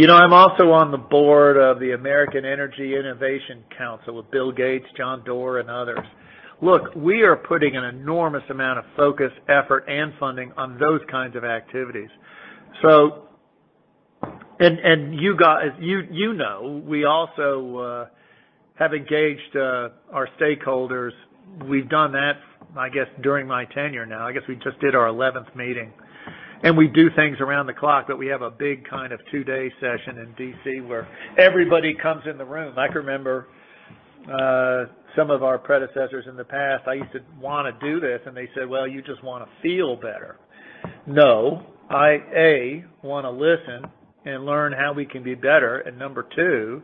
I'm also on the board of the American Energy Innovation Council with Bill Gates, John Doerr, and others. Look, we are putting an enormous amount of focus, effort, and funding on those kinds of activities. You know, we also have engaged our stakeholders. We've done that, I guess, during my tenure now. I guess we just did our 11th meeting. We do things around the clock, but we have a big two-day session in D.C. where everybody comes in the room. I can remember some of our predecessors in the past, I used to want to do this, and they said, "Well, you just want to feel better." No, I, A, want to listen and learn how we can be better, and number 2,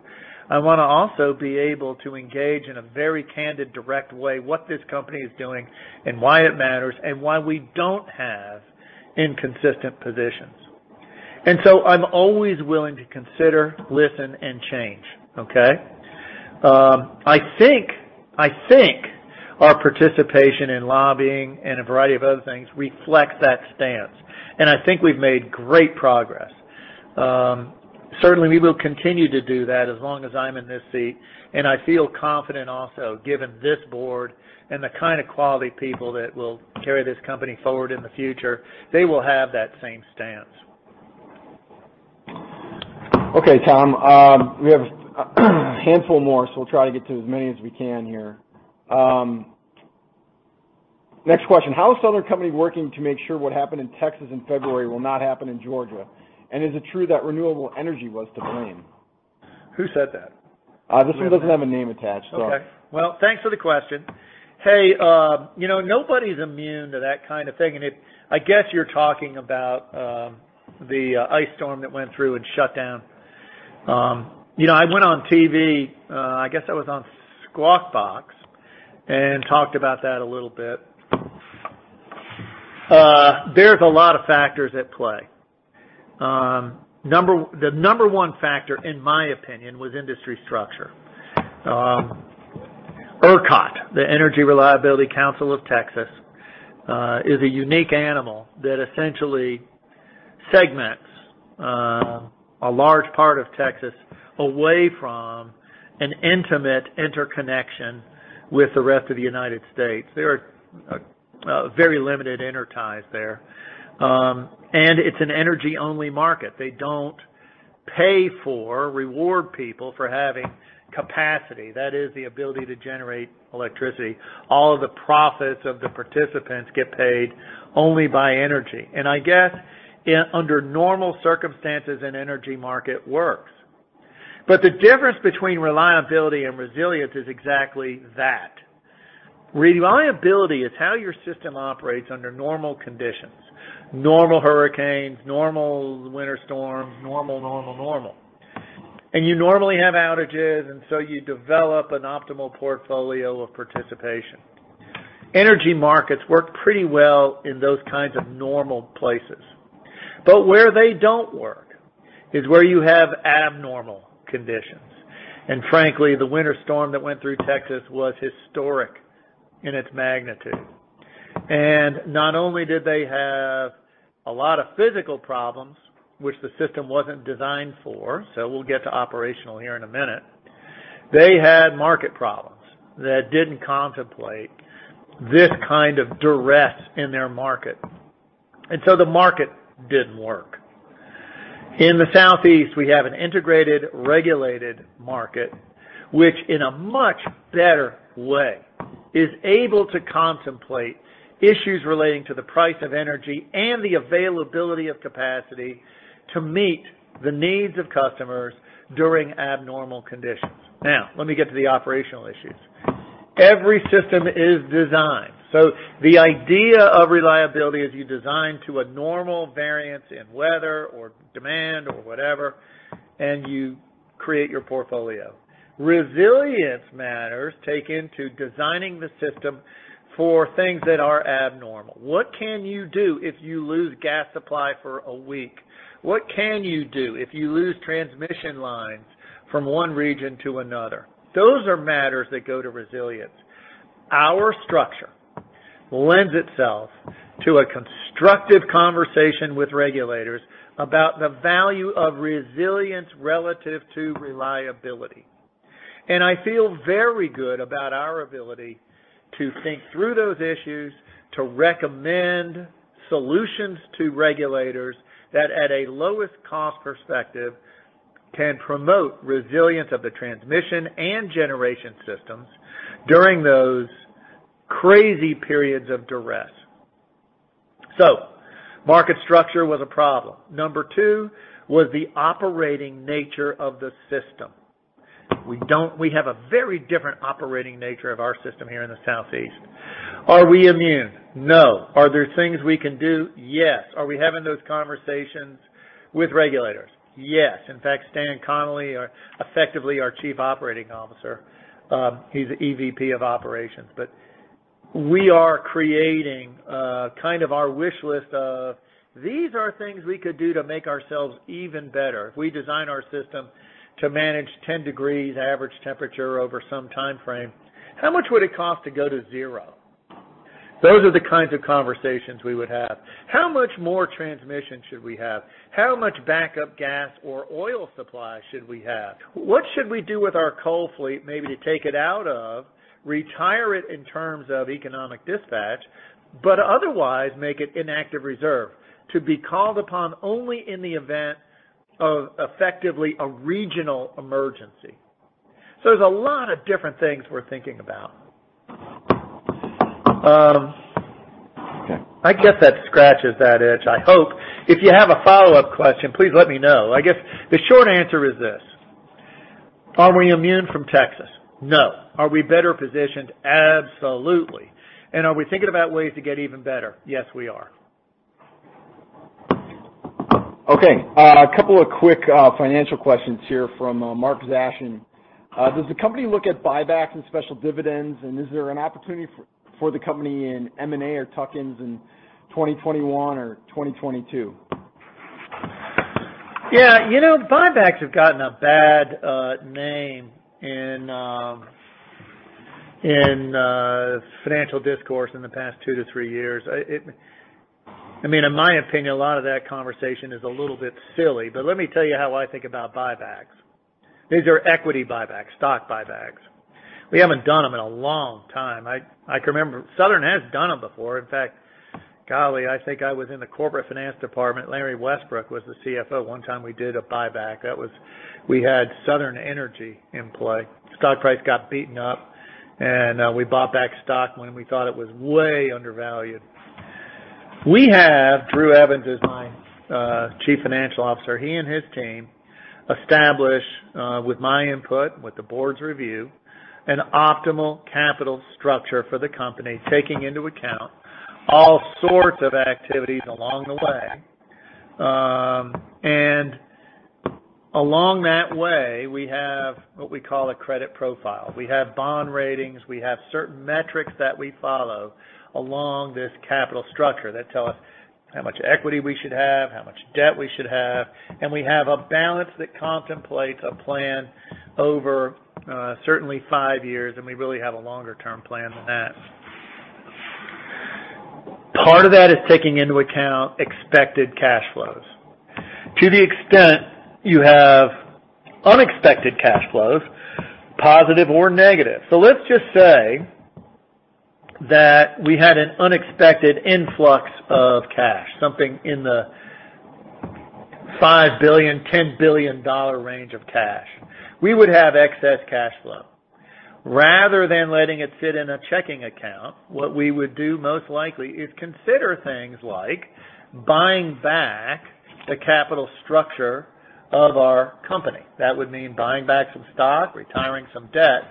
I want to also be able to engage in a very candid, direct way what this company is doing and why it matters and why we don't have inconsistent positions. I'm always willing to consider, listen, and change. Okay? I think our participation in lobbying and a variety of other things reflects that stance. I think we've made great progress. Certainly, we will continue to do that as long as I'm in this seat. I feel confident also, given this board and the kind of quality people that will carry this company forward in the future, they will have that same stance. Okay, Tom. We have a handful more, so we'll try to get to as many as we can here. Next question, how is Southern Company working to make sure what happened in Texas in February will not happen in Georgia? Is it true that renewable energy was to blame? Who said that? This one doesn't have a name attached. Okay. Well, thanks for the question. Hey, nobody's immune to that kind of thing. I guess you're talking about the ice storm that went through and shut down. I went on TV, I guess I was on Squawk Box, and talked about that a little bit. There's a lot of factors at play. The number 1 factor, in my opinion, was industry structure. ERCOT, the Electric Reliability Council of Texas, is a unique animal that essentially segments a large part of Texas away from an intimate interconnection with the rest of the United States. There are very limited interties there. It's an energy-only market. They don't pay for, reward people for having capacity. That is the ability to generate electricity. All of the profits of the participants get paid only by energy. I guess under normal circumstances, an energy market works. The difference between reliability and resilience is exactly that. Reliability is how your system operates under normal conditions, normal hurricanes, normal winter storms, normal. You normally have outages, you develop an optimal portfolio of participation. Energy markets work pretty well in those kinds of normal places. Where they don't work is where you have abnormal conditions. Frankly, the winter storm that went through Texas was historic in its magnitude. Not only did they have a lot of physical problems, which the system wasn't designed for, we'll get to operational here in a minute. They had market problems that didn't contemplate this kind of duress in their market. The market didn't work. In the Southeast, we have an integrated, regulated market, which in a much better way is able to contemplate issues relating to the price of energy and the availability of capacity to meet the needs of customers during abnormal conditions. Let me get to the operational issues. Every system is designed. The idea of reliability is you design to a normal variance in weather or demand or whatever. You create your portfolio. Resilience matters take into designing the system for things that are abnormal. What can you do if you lose gas supply for a week? What can you do if you lose transmission lines from one region to another? Those are matters that go to resilience. Our structure lends itself to a constructive conversation with regulators about the value of resilience relative to reliability. I feel very good about our ability to think through those issues, to recommend solutions to regulators that at a lowest cost perspective, can promote resilience of the transmission and generation systems during those crazy periods of duress. Market structure was a problem. Number two was the operating nature of the system. We have a very different operating nature of our system here in the Southeast. Are we immune? No. Are there things we can do? Yes. Are we having those conversations with regulators? Yes. In fact, Stan Connally are effectively our Chief Operating Officer. He's the EVP of operations. We are creating our wish list of these are things we could do to make ourselves even better. If we design our system to manage 10 degrees average temperature over some time frame, how much would it cost to go to zero? Those are the kinds of conversations we would have. How much more transmission should we have? How much backup gas or oil supply should we have? What should we do with our coal fleet? Maybe retire it in terms of economic dispatch, but otherwise make it inactive reserve to be called upon only in the event of effectively a regional emergency. There's a lot of different things we're thinking about. I get that scratches that itch, I hope. If you have a follow-up question, please let me know. I guess the short answer is this: are we immune from Texas? No. Are we better positioned? Absolutely. Are we thinking about ways to get even better? Yes, we are. Okay. A couple of quick financial questions here from Mark Zashin. Does the company look at buybacks and special dividends? Is there an opportunity for the company in M&A or tuck-ins in 2021 or 2022? Yeah. Buybacks have gotten a bad name in financial discourse in the past two to three years. In my opinion, a lot of that conversation is a little bit silly. Let me tell you how I think about buybacks. These are equity buybacks, stock buybacks. We haven't done them in a long time. I can remember Southern has done them before. In fact, golly, I think I was in the corporate finance department. Larry Westbrook was the CFO one time we did a buyback. We had Southern Energy in play. Stock price got beaten up, and we bought back stock when we thought it was way undervalued. Drew Evans is my Chief Financial Officer. He and his team establish, with my input, with the Board's review, an optimal capital structure for the company, taking into account all sorts of activities along the way. Along that way, we have what we call a credit profile. We have bond ratings. We have certain metrics that we follow along this capital structure that tell us how much equity we should have, how much debt we should have. We have a balance that contemplates a plan over certainly five years, and we really have a longer-term plan than that. Part of that is taking into account expected cash flows. To the extent you have unexpected cash flows, positive or negative. Let's just say that we had an unexpected influx of cash, something in the $5 billion, $10 billion range of cash. We would have excess cash flow. Rather than letting it sit in a checking account, what we would do most likely is consider things like buying back the capital structure of our company. That would mean buying back some stock, retiring some debt,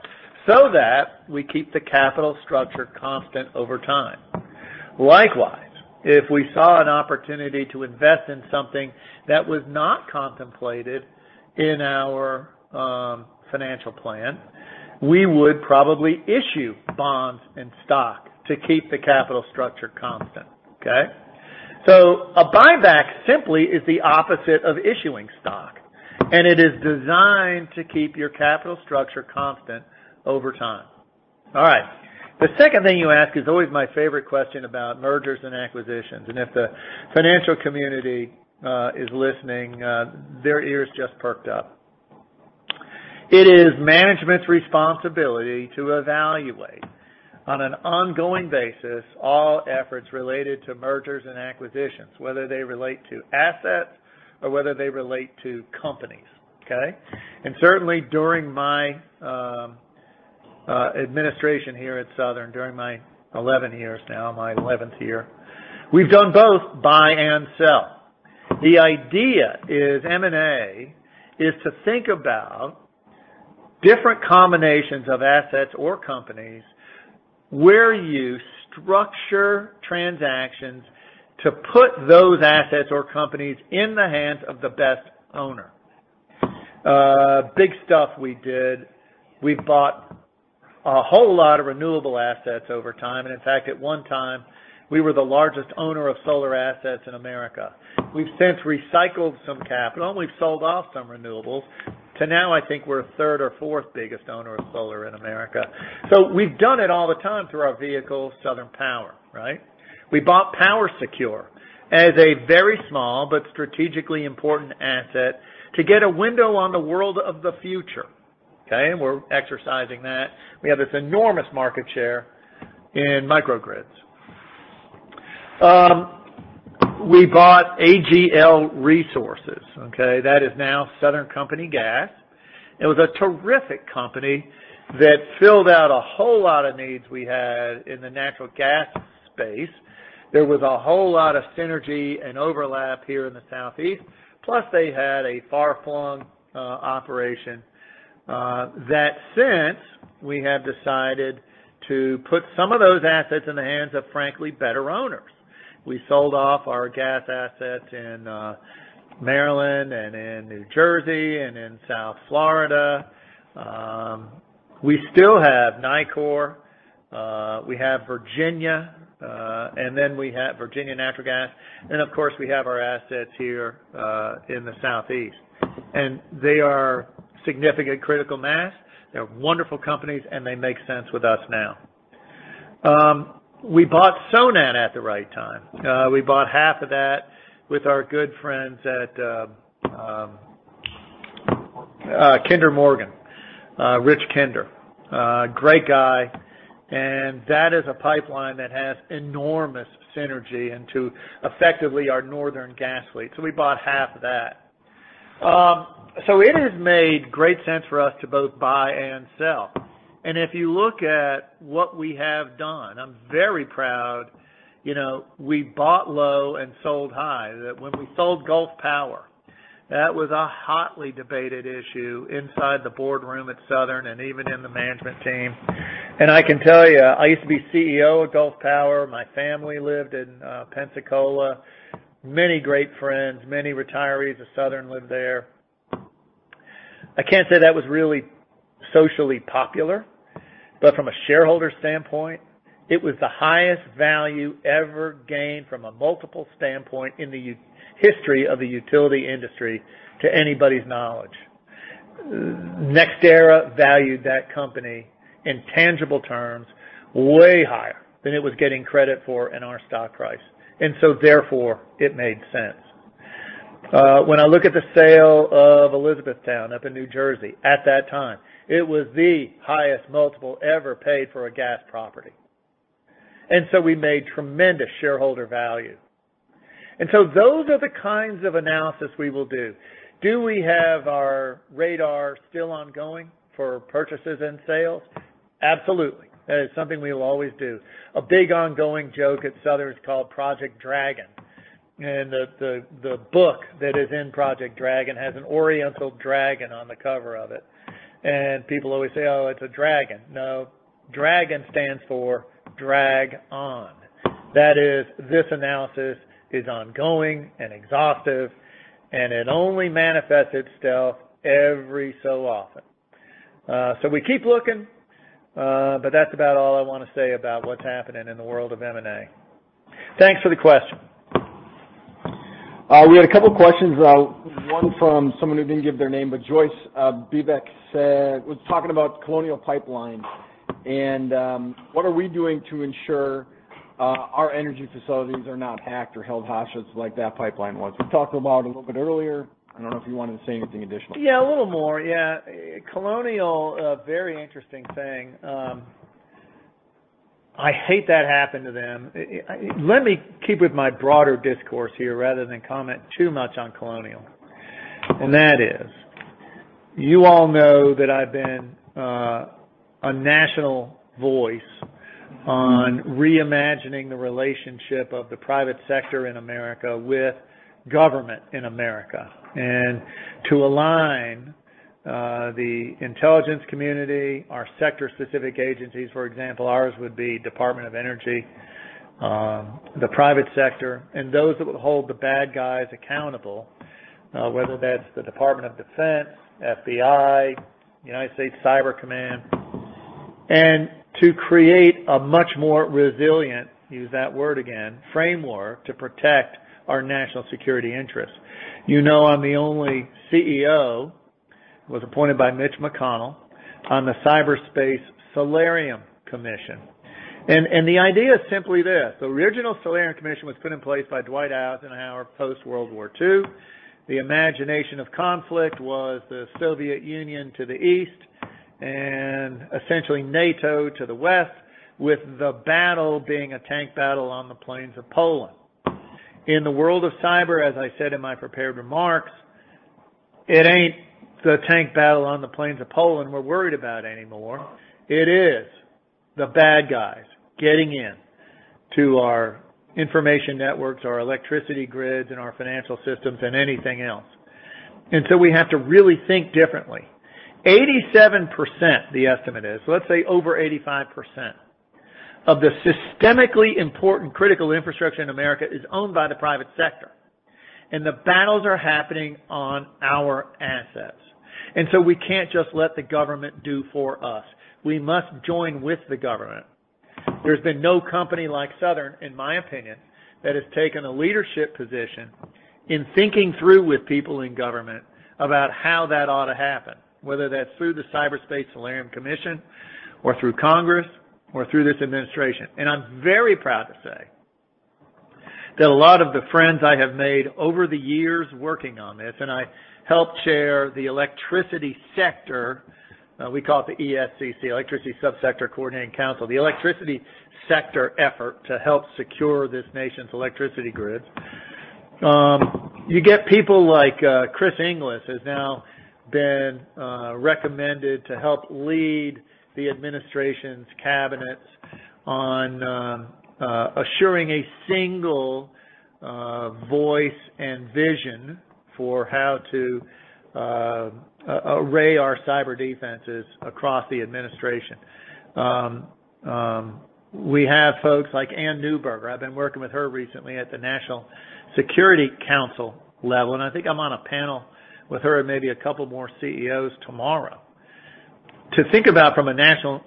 so that we keep the capital structure constant over time. Likewise, if we saw an opportunity to invest in something that was not contemplated in our financial plan, we would probably issue bonds and stock to keep the capital structure constant. Okay. A buyback simply is the opposite of issuing stock, and it is designed to keep your capital structure constant over time. All right. The second thing you ask is always my favorite question about mergers and acquisitions. If the financial community is listening, their ears just perked up. It is management's responsibility to evaluate on an ongoing basis all efforts related to mergers and acquisitions, whether they relate to assets or whether they relate to companies. Okay. Certainly during my administration here at The Southern Company, during my 11 years now, my 11th year, we've done both buy and sell. The idea is M&A is to think about different combinations of assets or companies where you structure transactions to put those assets or companies in the hands of the best owner. Big stuff we did. We bought a whole lot of renewable assets over time. In fact, at one time, we were the largest owner of solar assets in America. We've since recycled some capital. We've sold off some renewables to now I think we're third or fourth biggest owner of solar in America. We've done it all the time through our vehicle, Southern Power. We bought PowerSecure as a very small but strategically important asset to get a window on the world of the future. Okay? We're exercising that. We have this enormous market share in microgrids. We bought AGL Resources, okay? That is now Southern Company Gas. It was a terrific company that filled out a whole lot of needs we had in the natural gas space. There was a whole lot of synergy and overlap here in the Southeast, plus they had a far-flung operation that since we have decided to put some of those assets in the hands of, frankly, better owners. We sold off our gas assets in Maryland and in New Jersey and in South Florida. We still have Nicor. We have Virginia Natural Gas. Of course, we have our assets here in the Southeast. They are significant critical mass. They're wonderful companies, and they make sense with us now. We bought Sonat at the right time. We bought half of that with our good friends at Kinder Morgan, Rich Kinder. Great guy. That is a pipeline that has enormous synergy into effectively our northern gas fleet. We bought half of that. It has made great sense for us to both buy and sell. If you look at what we have done, I'm very proud. We bought low and sold high. When we sold Gulf Power, that was a hotly debated issue inside the boardroom at Southern and even in the management team. I can tell you, I used to be CEO of Gulf Power. My family lived in Pensacola. Many great friends, many retirees of Southern lived there. I can't say that was really socially popular, but from a shareholder standpoint, it was the highest value ever gained from a multiple standpoint in the history of the utility industry to anybody's knowledge. NextEra valued that company in tangible terms way higher than it was getting credit for in our stock price. Therefore, it made sense. When I look at the sale of Elizabethtown up in New Jersey, at that time, it was the highest multiple ever paid for a gas property. We made tremendous shareholder value. Those are the kinds of analysis we will do. Do we have our radar still ongoing for purchases and sales? Absolutely. That is something we will always do. A big ongoing joke at Southern is called Project Dragon. The book that is in Project Dragon has an oriental dragon on the cover of it. People always say, "Oh, it's a dragon." No, Dragon stands for Drag On. That is, this analysis is ongoing and exhaustive, and it only manifests itself every so often. We keep looking, but that's about all I want to say about what's happening in the world of M&A. Thanks for the question. We had a couple questions, one from someone who didn't give their name, but Joyce Bebek said, was talking about Colonial Pipeline and what are we doing to ensure our energy facilities are not hacked or held hostage like that pipeline was? We talked about it a little bit earlier. I don't know if you wanted to say anything additional. A little more. Colonial Pipeline, a very interesting thing. I hate that happened to them. Let me keep with my broader discourse here rather than comment too much on Colonial Pipeline. That is, you all know that I've been a national voice on reimagining the relationship of the private sector in America with government in America and to align the intelligence community, our sector-specific agencies, for example, ours would be U.S. Department of Energy, the private sector, and those that would hold the bad guys accountable, whether that's the U.S. Department of Defense, FBI, United States Cyber Command, and to create a much more resilient, use that word again, framework to protect our national security interests. You know I'm the only CEO, was appointed by Mitch McConnell, on the Cyberspace Solarium Commission. The idea is simply this. The original Solarium Commission was put in place by Dwight Eisenhower post-World War II. The imagination of conflict was the Soviet Union to the east and essentially NATO to the west, with the battle being a tank battle on the plains of Poland. In the world of cyber, as I said in my prepared remarks, it ain't the tank battle on the plains of Poland we're worried about anymore. It is the bad guys getting into our information networks, our electricity grids, and our financial systems and anything else. We have to really think differently. 87%, the estimate is, so let's say over 85%, of the systemically important critical infrastructure in America is owned by the private sector, and the battles are happening on our assets. We can't just let the government do for us. We must join with the government. There's been no company like Southern, in my opinion, that has taken a leadership position in thinking through with people in government about how that ought to happen, whether that's through the Cyberspace Solarium Commission or through Congress or through this administration. I'm very proud to say that a lot of the friends I have made over the years working on this, and I help chair the electricity sector, we call it the ESCC, Electricity Subsector Coordinating Council, the electricity sector effort to help secure this nation's electricity grids. You get people like Chris Inglis, has now been recommended to help lead the administration's cabinets on assuring a single voice and vision for how to array our cyber defenses across the administration. We have folks like Anne Neuberger. I've been working with her recently at the National Security Council level, and I think I'm on a panel with her and maybe a couple more CEOs tomorrow, to think about from a National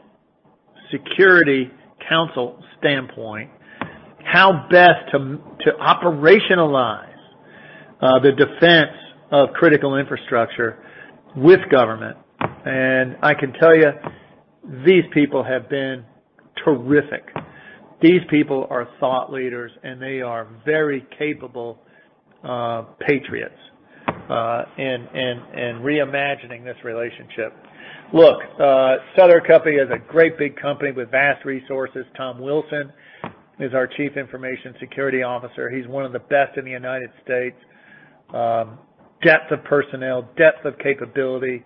Security Council standpoint, how best to operationalize the defense of critical infrastructure with government. I can tell you, these people have been terrific. These people are thought leaders, and they are very capable patriots in reimagining this relationship. Look, Southern Company is a great big company with vast resources. Tom Wilson is our Chief Information Security Officer. He's one of the best in the U.S. Depth of personnel, depth of capability.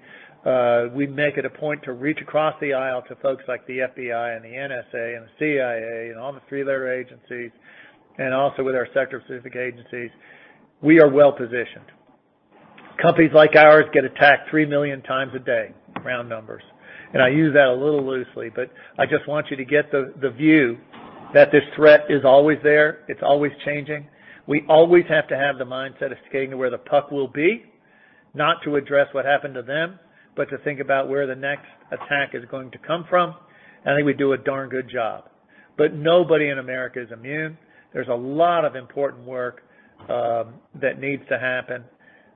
We make it a point to reach across the aisle to folks like the FBI and the NSA and the CIA and all the three-letter agencies, and also with our sector-specific agencies. We are well-positioned. Companies like ours get attacked 3 million times a day, round numbers. I use that a little loosely, but I just want you to get the view that this threat is always there. It's always changing. We always have to have the mindset of skating to where the puck will be, not to address what happened to them, but to think about where the next attack is going to come from. I think we do a darn good job. Nobody in America is immune. There's a lot of important work that needs to happen.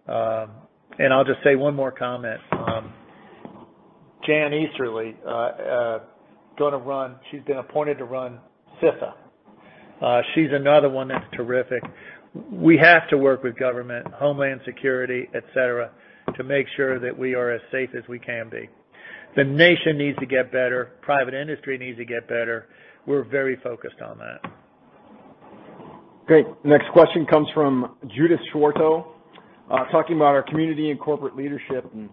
I'll just say one more comment. Jen Easterly, she's been appointed to run CISA. She's another one that's terrific. We have to work with government, Homeland Security, et cetera, to make sure that we are as safe as we can be. The nation needs to get better. Private industry needs to get better. We're very focused on that. Great. Next question comes from Judith Schwartz, talking about our community and corporate leadership and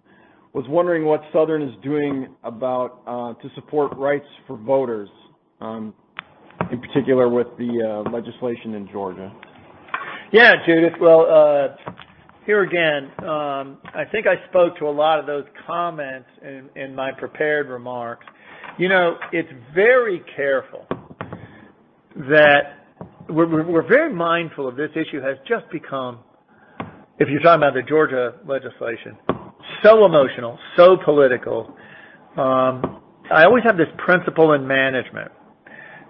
was wondering what Southern is doing to support rights for voters, in particular with the legislation in Georgia. Yeah, Judith. Well, here again, I think I spoke to a lot of those comments in my prepared remarks. It's very careful that we're very mindful of this issue has just become, if you're talking about the Georgia legislation, so emotional, so political. I always have this principle in management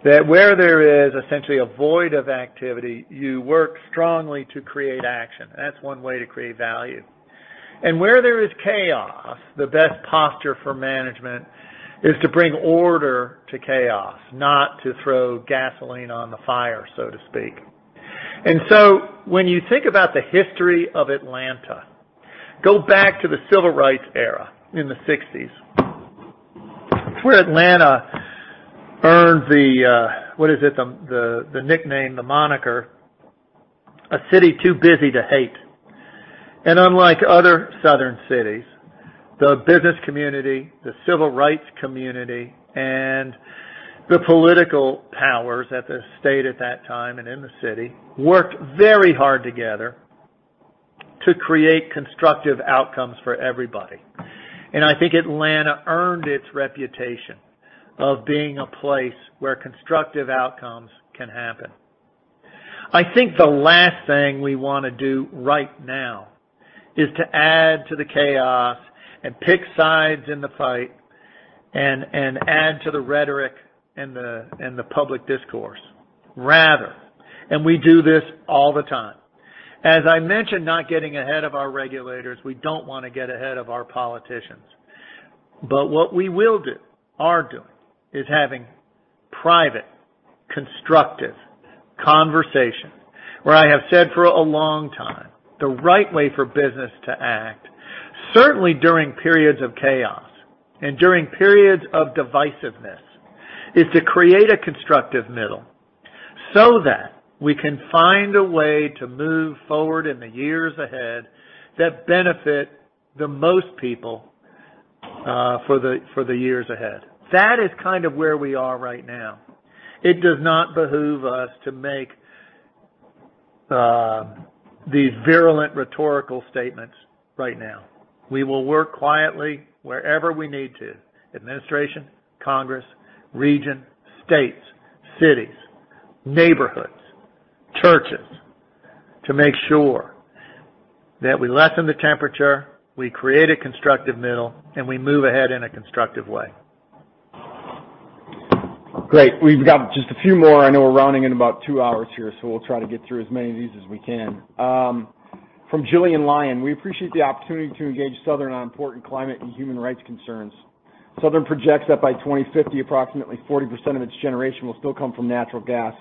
that where there is essentially a void of activity, you work strongly to create action. That's one way to create value. Where there is chaos, the best posture for management is to bring order to chaos, not to throw gasoline on the fire, so to speak. When you think about the history of Atlanta, go back to the civil rights era in the '60s, where Atlanta earned the, what is it? The nickname, the moniker, a city too busy to hate. Unlike other southern cities, the business community, the civil rights community, and the political powers at the state at that time and in the city, worked very hard together to create constructive outcomes for everybody. I think Atlanta earned its reputation of being a place where constructive outcomes can happen. I think the last thing we want to do right now is to add to the chaos and pick sides in the fight and add to the rhetoric and the public discourse. Rather, we do this all the time. As I mentioned, not getting ahead of our regulators, we don't want to get ahead of our politicians. What we will do, are doing, is having private, constructive conversations where I have said for a long time, the right way for business to act, certainly during periods of chaos and during periods of divisiveness, is to create a constructive middle so that we can find a way to move forward in the years ahead that benefit the most people. For the years ahead. That is where we are right now. It does not behoove us to make these virulent rhetorical statements right now. We will work quietly wherever we need to, administration, Congress, region, states, cities, neighborhoods, churches, to make sure that we lessen the temperature, we create a constructive middle, and we move ahead in a constructive way. Great. We've got just a few more. I know we're running at about two hours here. We'll try to get through as many of these as we can. From Jillian Lyon, "We appreciate the opportunity to engage Southern on important climate and human rights concerns. Southern projects that by 2050, approximately 40% of its generation will still come from natural gas,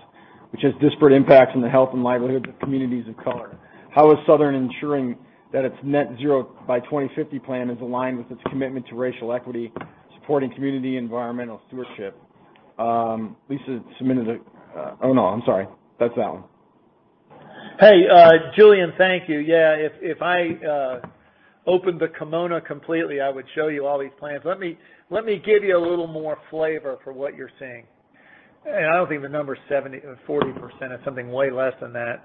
which has disparate impacts on the health and livelihood of communities of color. How is Southern ensuring that its net zero by 2050 plan is aligned with its commitment to racial equity, supporting community environmental stewardship?" Lisa submitted a Oh, no, I'm sorry. That's not one. Jillian, thank you. Yeah, if I opened the kimono completely, I would show you all these plans. Let me give you a little more flavor for what you're seeing. I don't think the number's 40%, it's something way less than that.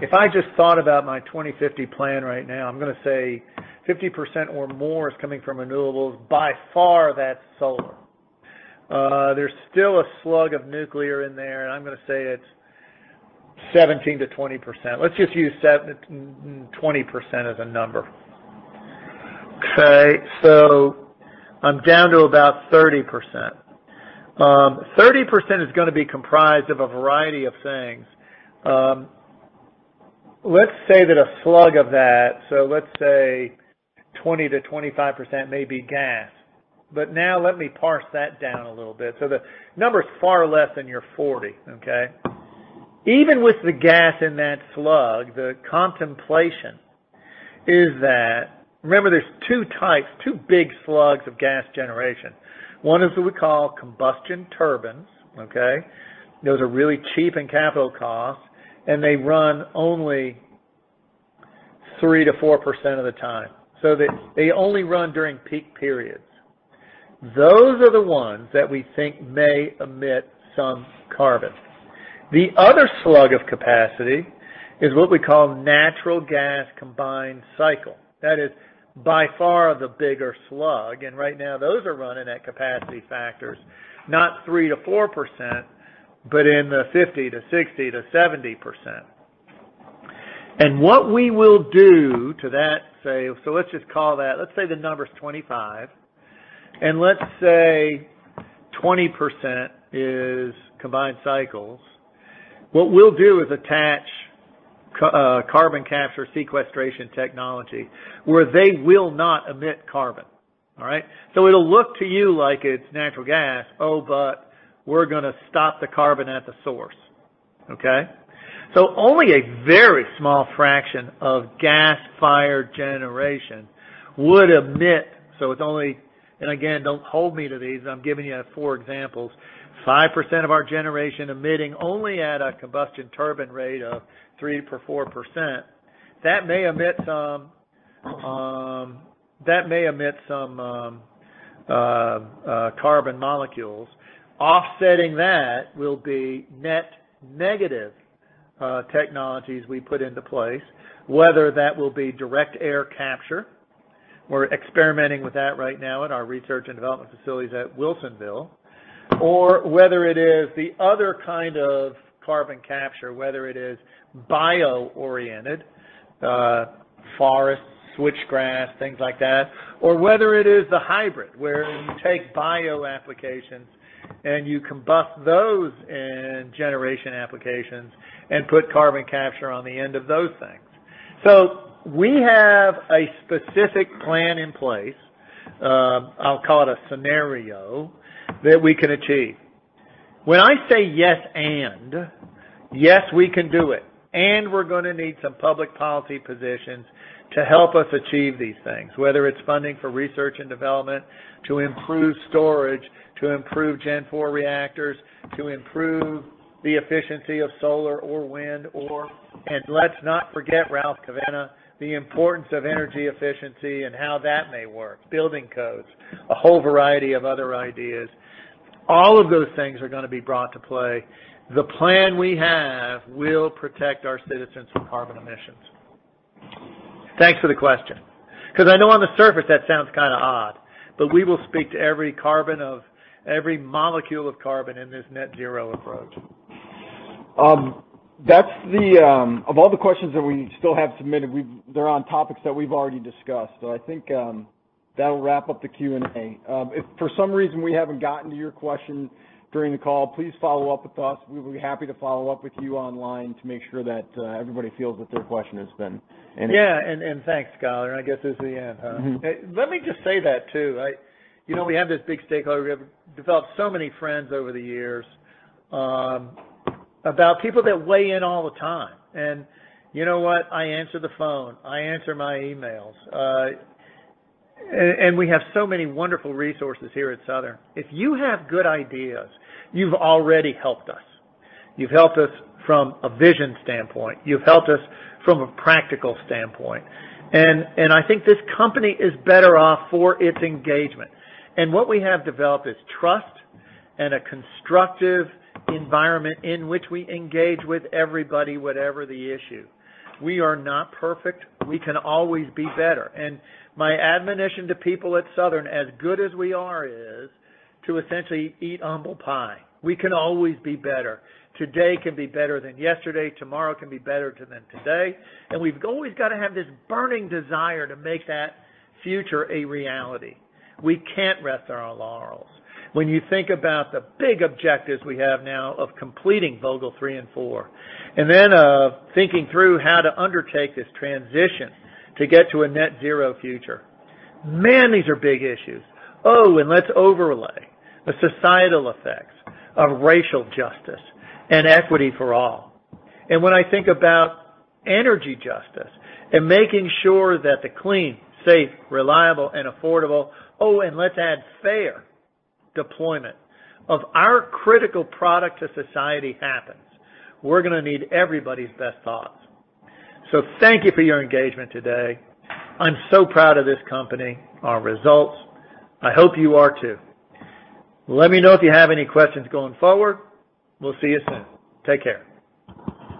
If I just thought about my 2050 plan right now, I'm going to say 50% or more is coming from renewables, by far that's solar. There's still a slug of nuclear in there, and I'm going to say it's 17%-20%. Let's just use 20% as a number. I'm down to about 30%. 30% is going to be comprised of a variety of things. Let's say that a slug of that, let's say 20%-25% may be gas. Now let me parse that down a little bit. The number's far less than your 40%, okay? Even with the gas in that slug, the contemplation is that, remember, there's two types, two big slugs of gas generation. One is what we call combustion turbines, okay? Those are really cheap in capital cost, and they run only 3%-4% of the time. They only run during peak periods. Those are the ones that we think may emit some carbon. The other slug of capacity is what we call natural gas combined cycle. That is by far the bigger slug, and right now those are running at capacity factors, not 3%-4%, but in the 50%-60%-70%. What we will do to that, so let's just call that, let's say the number's 25, and let's say 20% is combined cycles. What we'll do is attach carbon capture sequestration technology where they will not emit carbon. All right? It'll look to you like it's natural gas, but we're going to stop the carbon at the source. Okay? Only a very small fraction of gas-fired generation would emit. It's only, and again, don't hold me to these, I'm giving you four examples, 5% of our generation emitting only at a combustion turbine rate of 3%-4%. That may emit some carbon molecules. Offsetting that will be net negative technologies we put into place, whether that will be direct air capture. We're experimenting with that right now in our research and development facilities at Wilsonville. Whether it is the other kind of carbon capture, whether it is bio-oriented, forests, switchgrass, things like that, or whether it is the hybrid, where you take bio applications and you combust those in generation applications and put carbon capture on the end of those things. We have a specific plan in place, I'll call it a scenario, that we can achieve. When I say yes and, yes, we can do it, and we're going to need some public policy positions to help us achieve these things, whether it's funding for research and development to improve storage, to improve Gen 4 reactors, to improve the efficiency of solar or wind, or, and let's not forget, Ralph Cavanagh, the importance of energy efficiency and how that may work, building codes, a whole variety of other ideas. All of those things are going to be brought to play. The plan we have will protect our citizens from carbon emissions. Thanks for the question. I know on the surface that sounds kind of odd, but we will speak to every molecule of carbon in this net zero approach. Of all the questions that we still have submitted, they're on topics that we've already discussed. I think that'll wrap up the Q&A. If for some reason we haven't gotten to your question during the call, please follow up with us. We'd be happy to follow up with you online to make sure that everybody feels that their question has been answered. Yeah, thanks, Schuyler. I guess this is the end, huh? Let me just say that, too. We have this big stakeholder. We have developed so many friends over the years, about people that weigh in all the time. You know what? I answer the phone. I answer my emails. We have so many wonderful resources here at Southern. If you have good ideas, you've already helped us. You've helped us from a vision standpoint. You've helped us from a practical standpoint. I think this company is better off for its engagement. What we have developed is trust and a constructive environment in which we engage with everybody, whatever the issue. We are not perfect. We can always be better. My admonition to people at Southern, as good as we are, is to essentially eat humble pie. We can always be better. Today can be better than yesterday, tomorrow can be better than today, and we've always got to have this burning desire to make that future a reality. We can't rest on our laurels. When you think about the big objectives we have now of completing Vogtle 3 and 4, and then of thinking through how to undertake this transition to get to a net zero future. Man, these are big issues. Oh, and let's overlay the societal effects of racial justice and equity for all. When I think about energy justice and making sure that the clean, safe, reliable, and affordable, oh, and let's add fair deployment of our critical product to society happens, we're going to need everybody's best thoughts. Thank you for your engagement today. I'm so proud of this company, our results. I hope you are, too. Let me know if you have any questions going forward. We'll see you soon. Take care.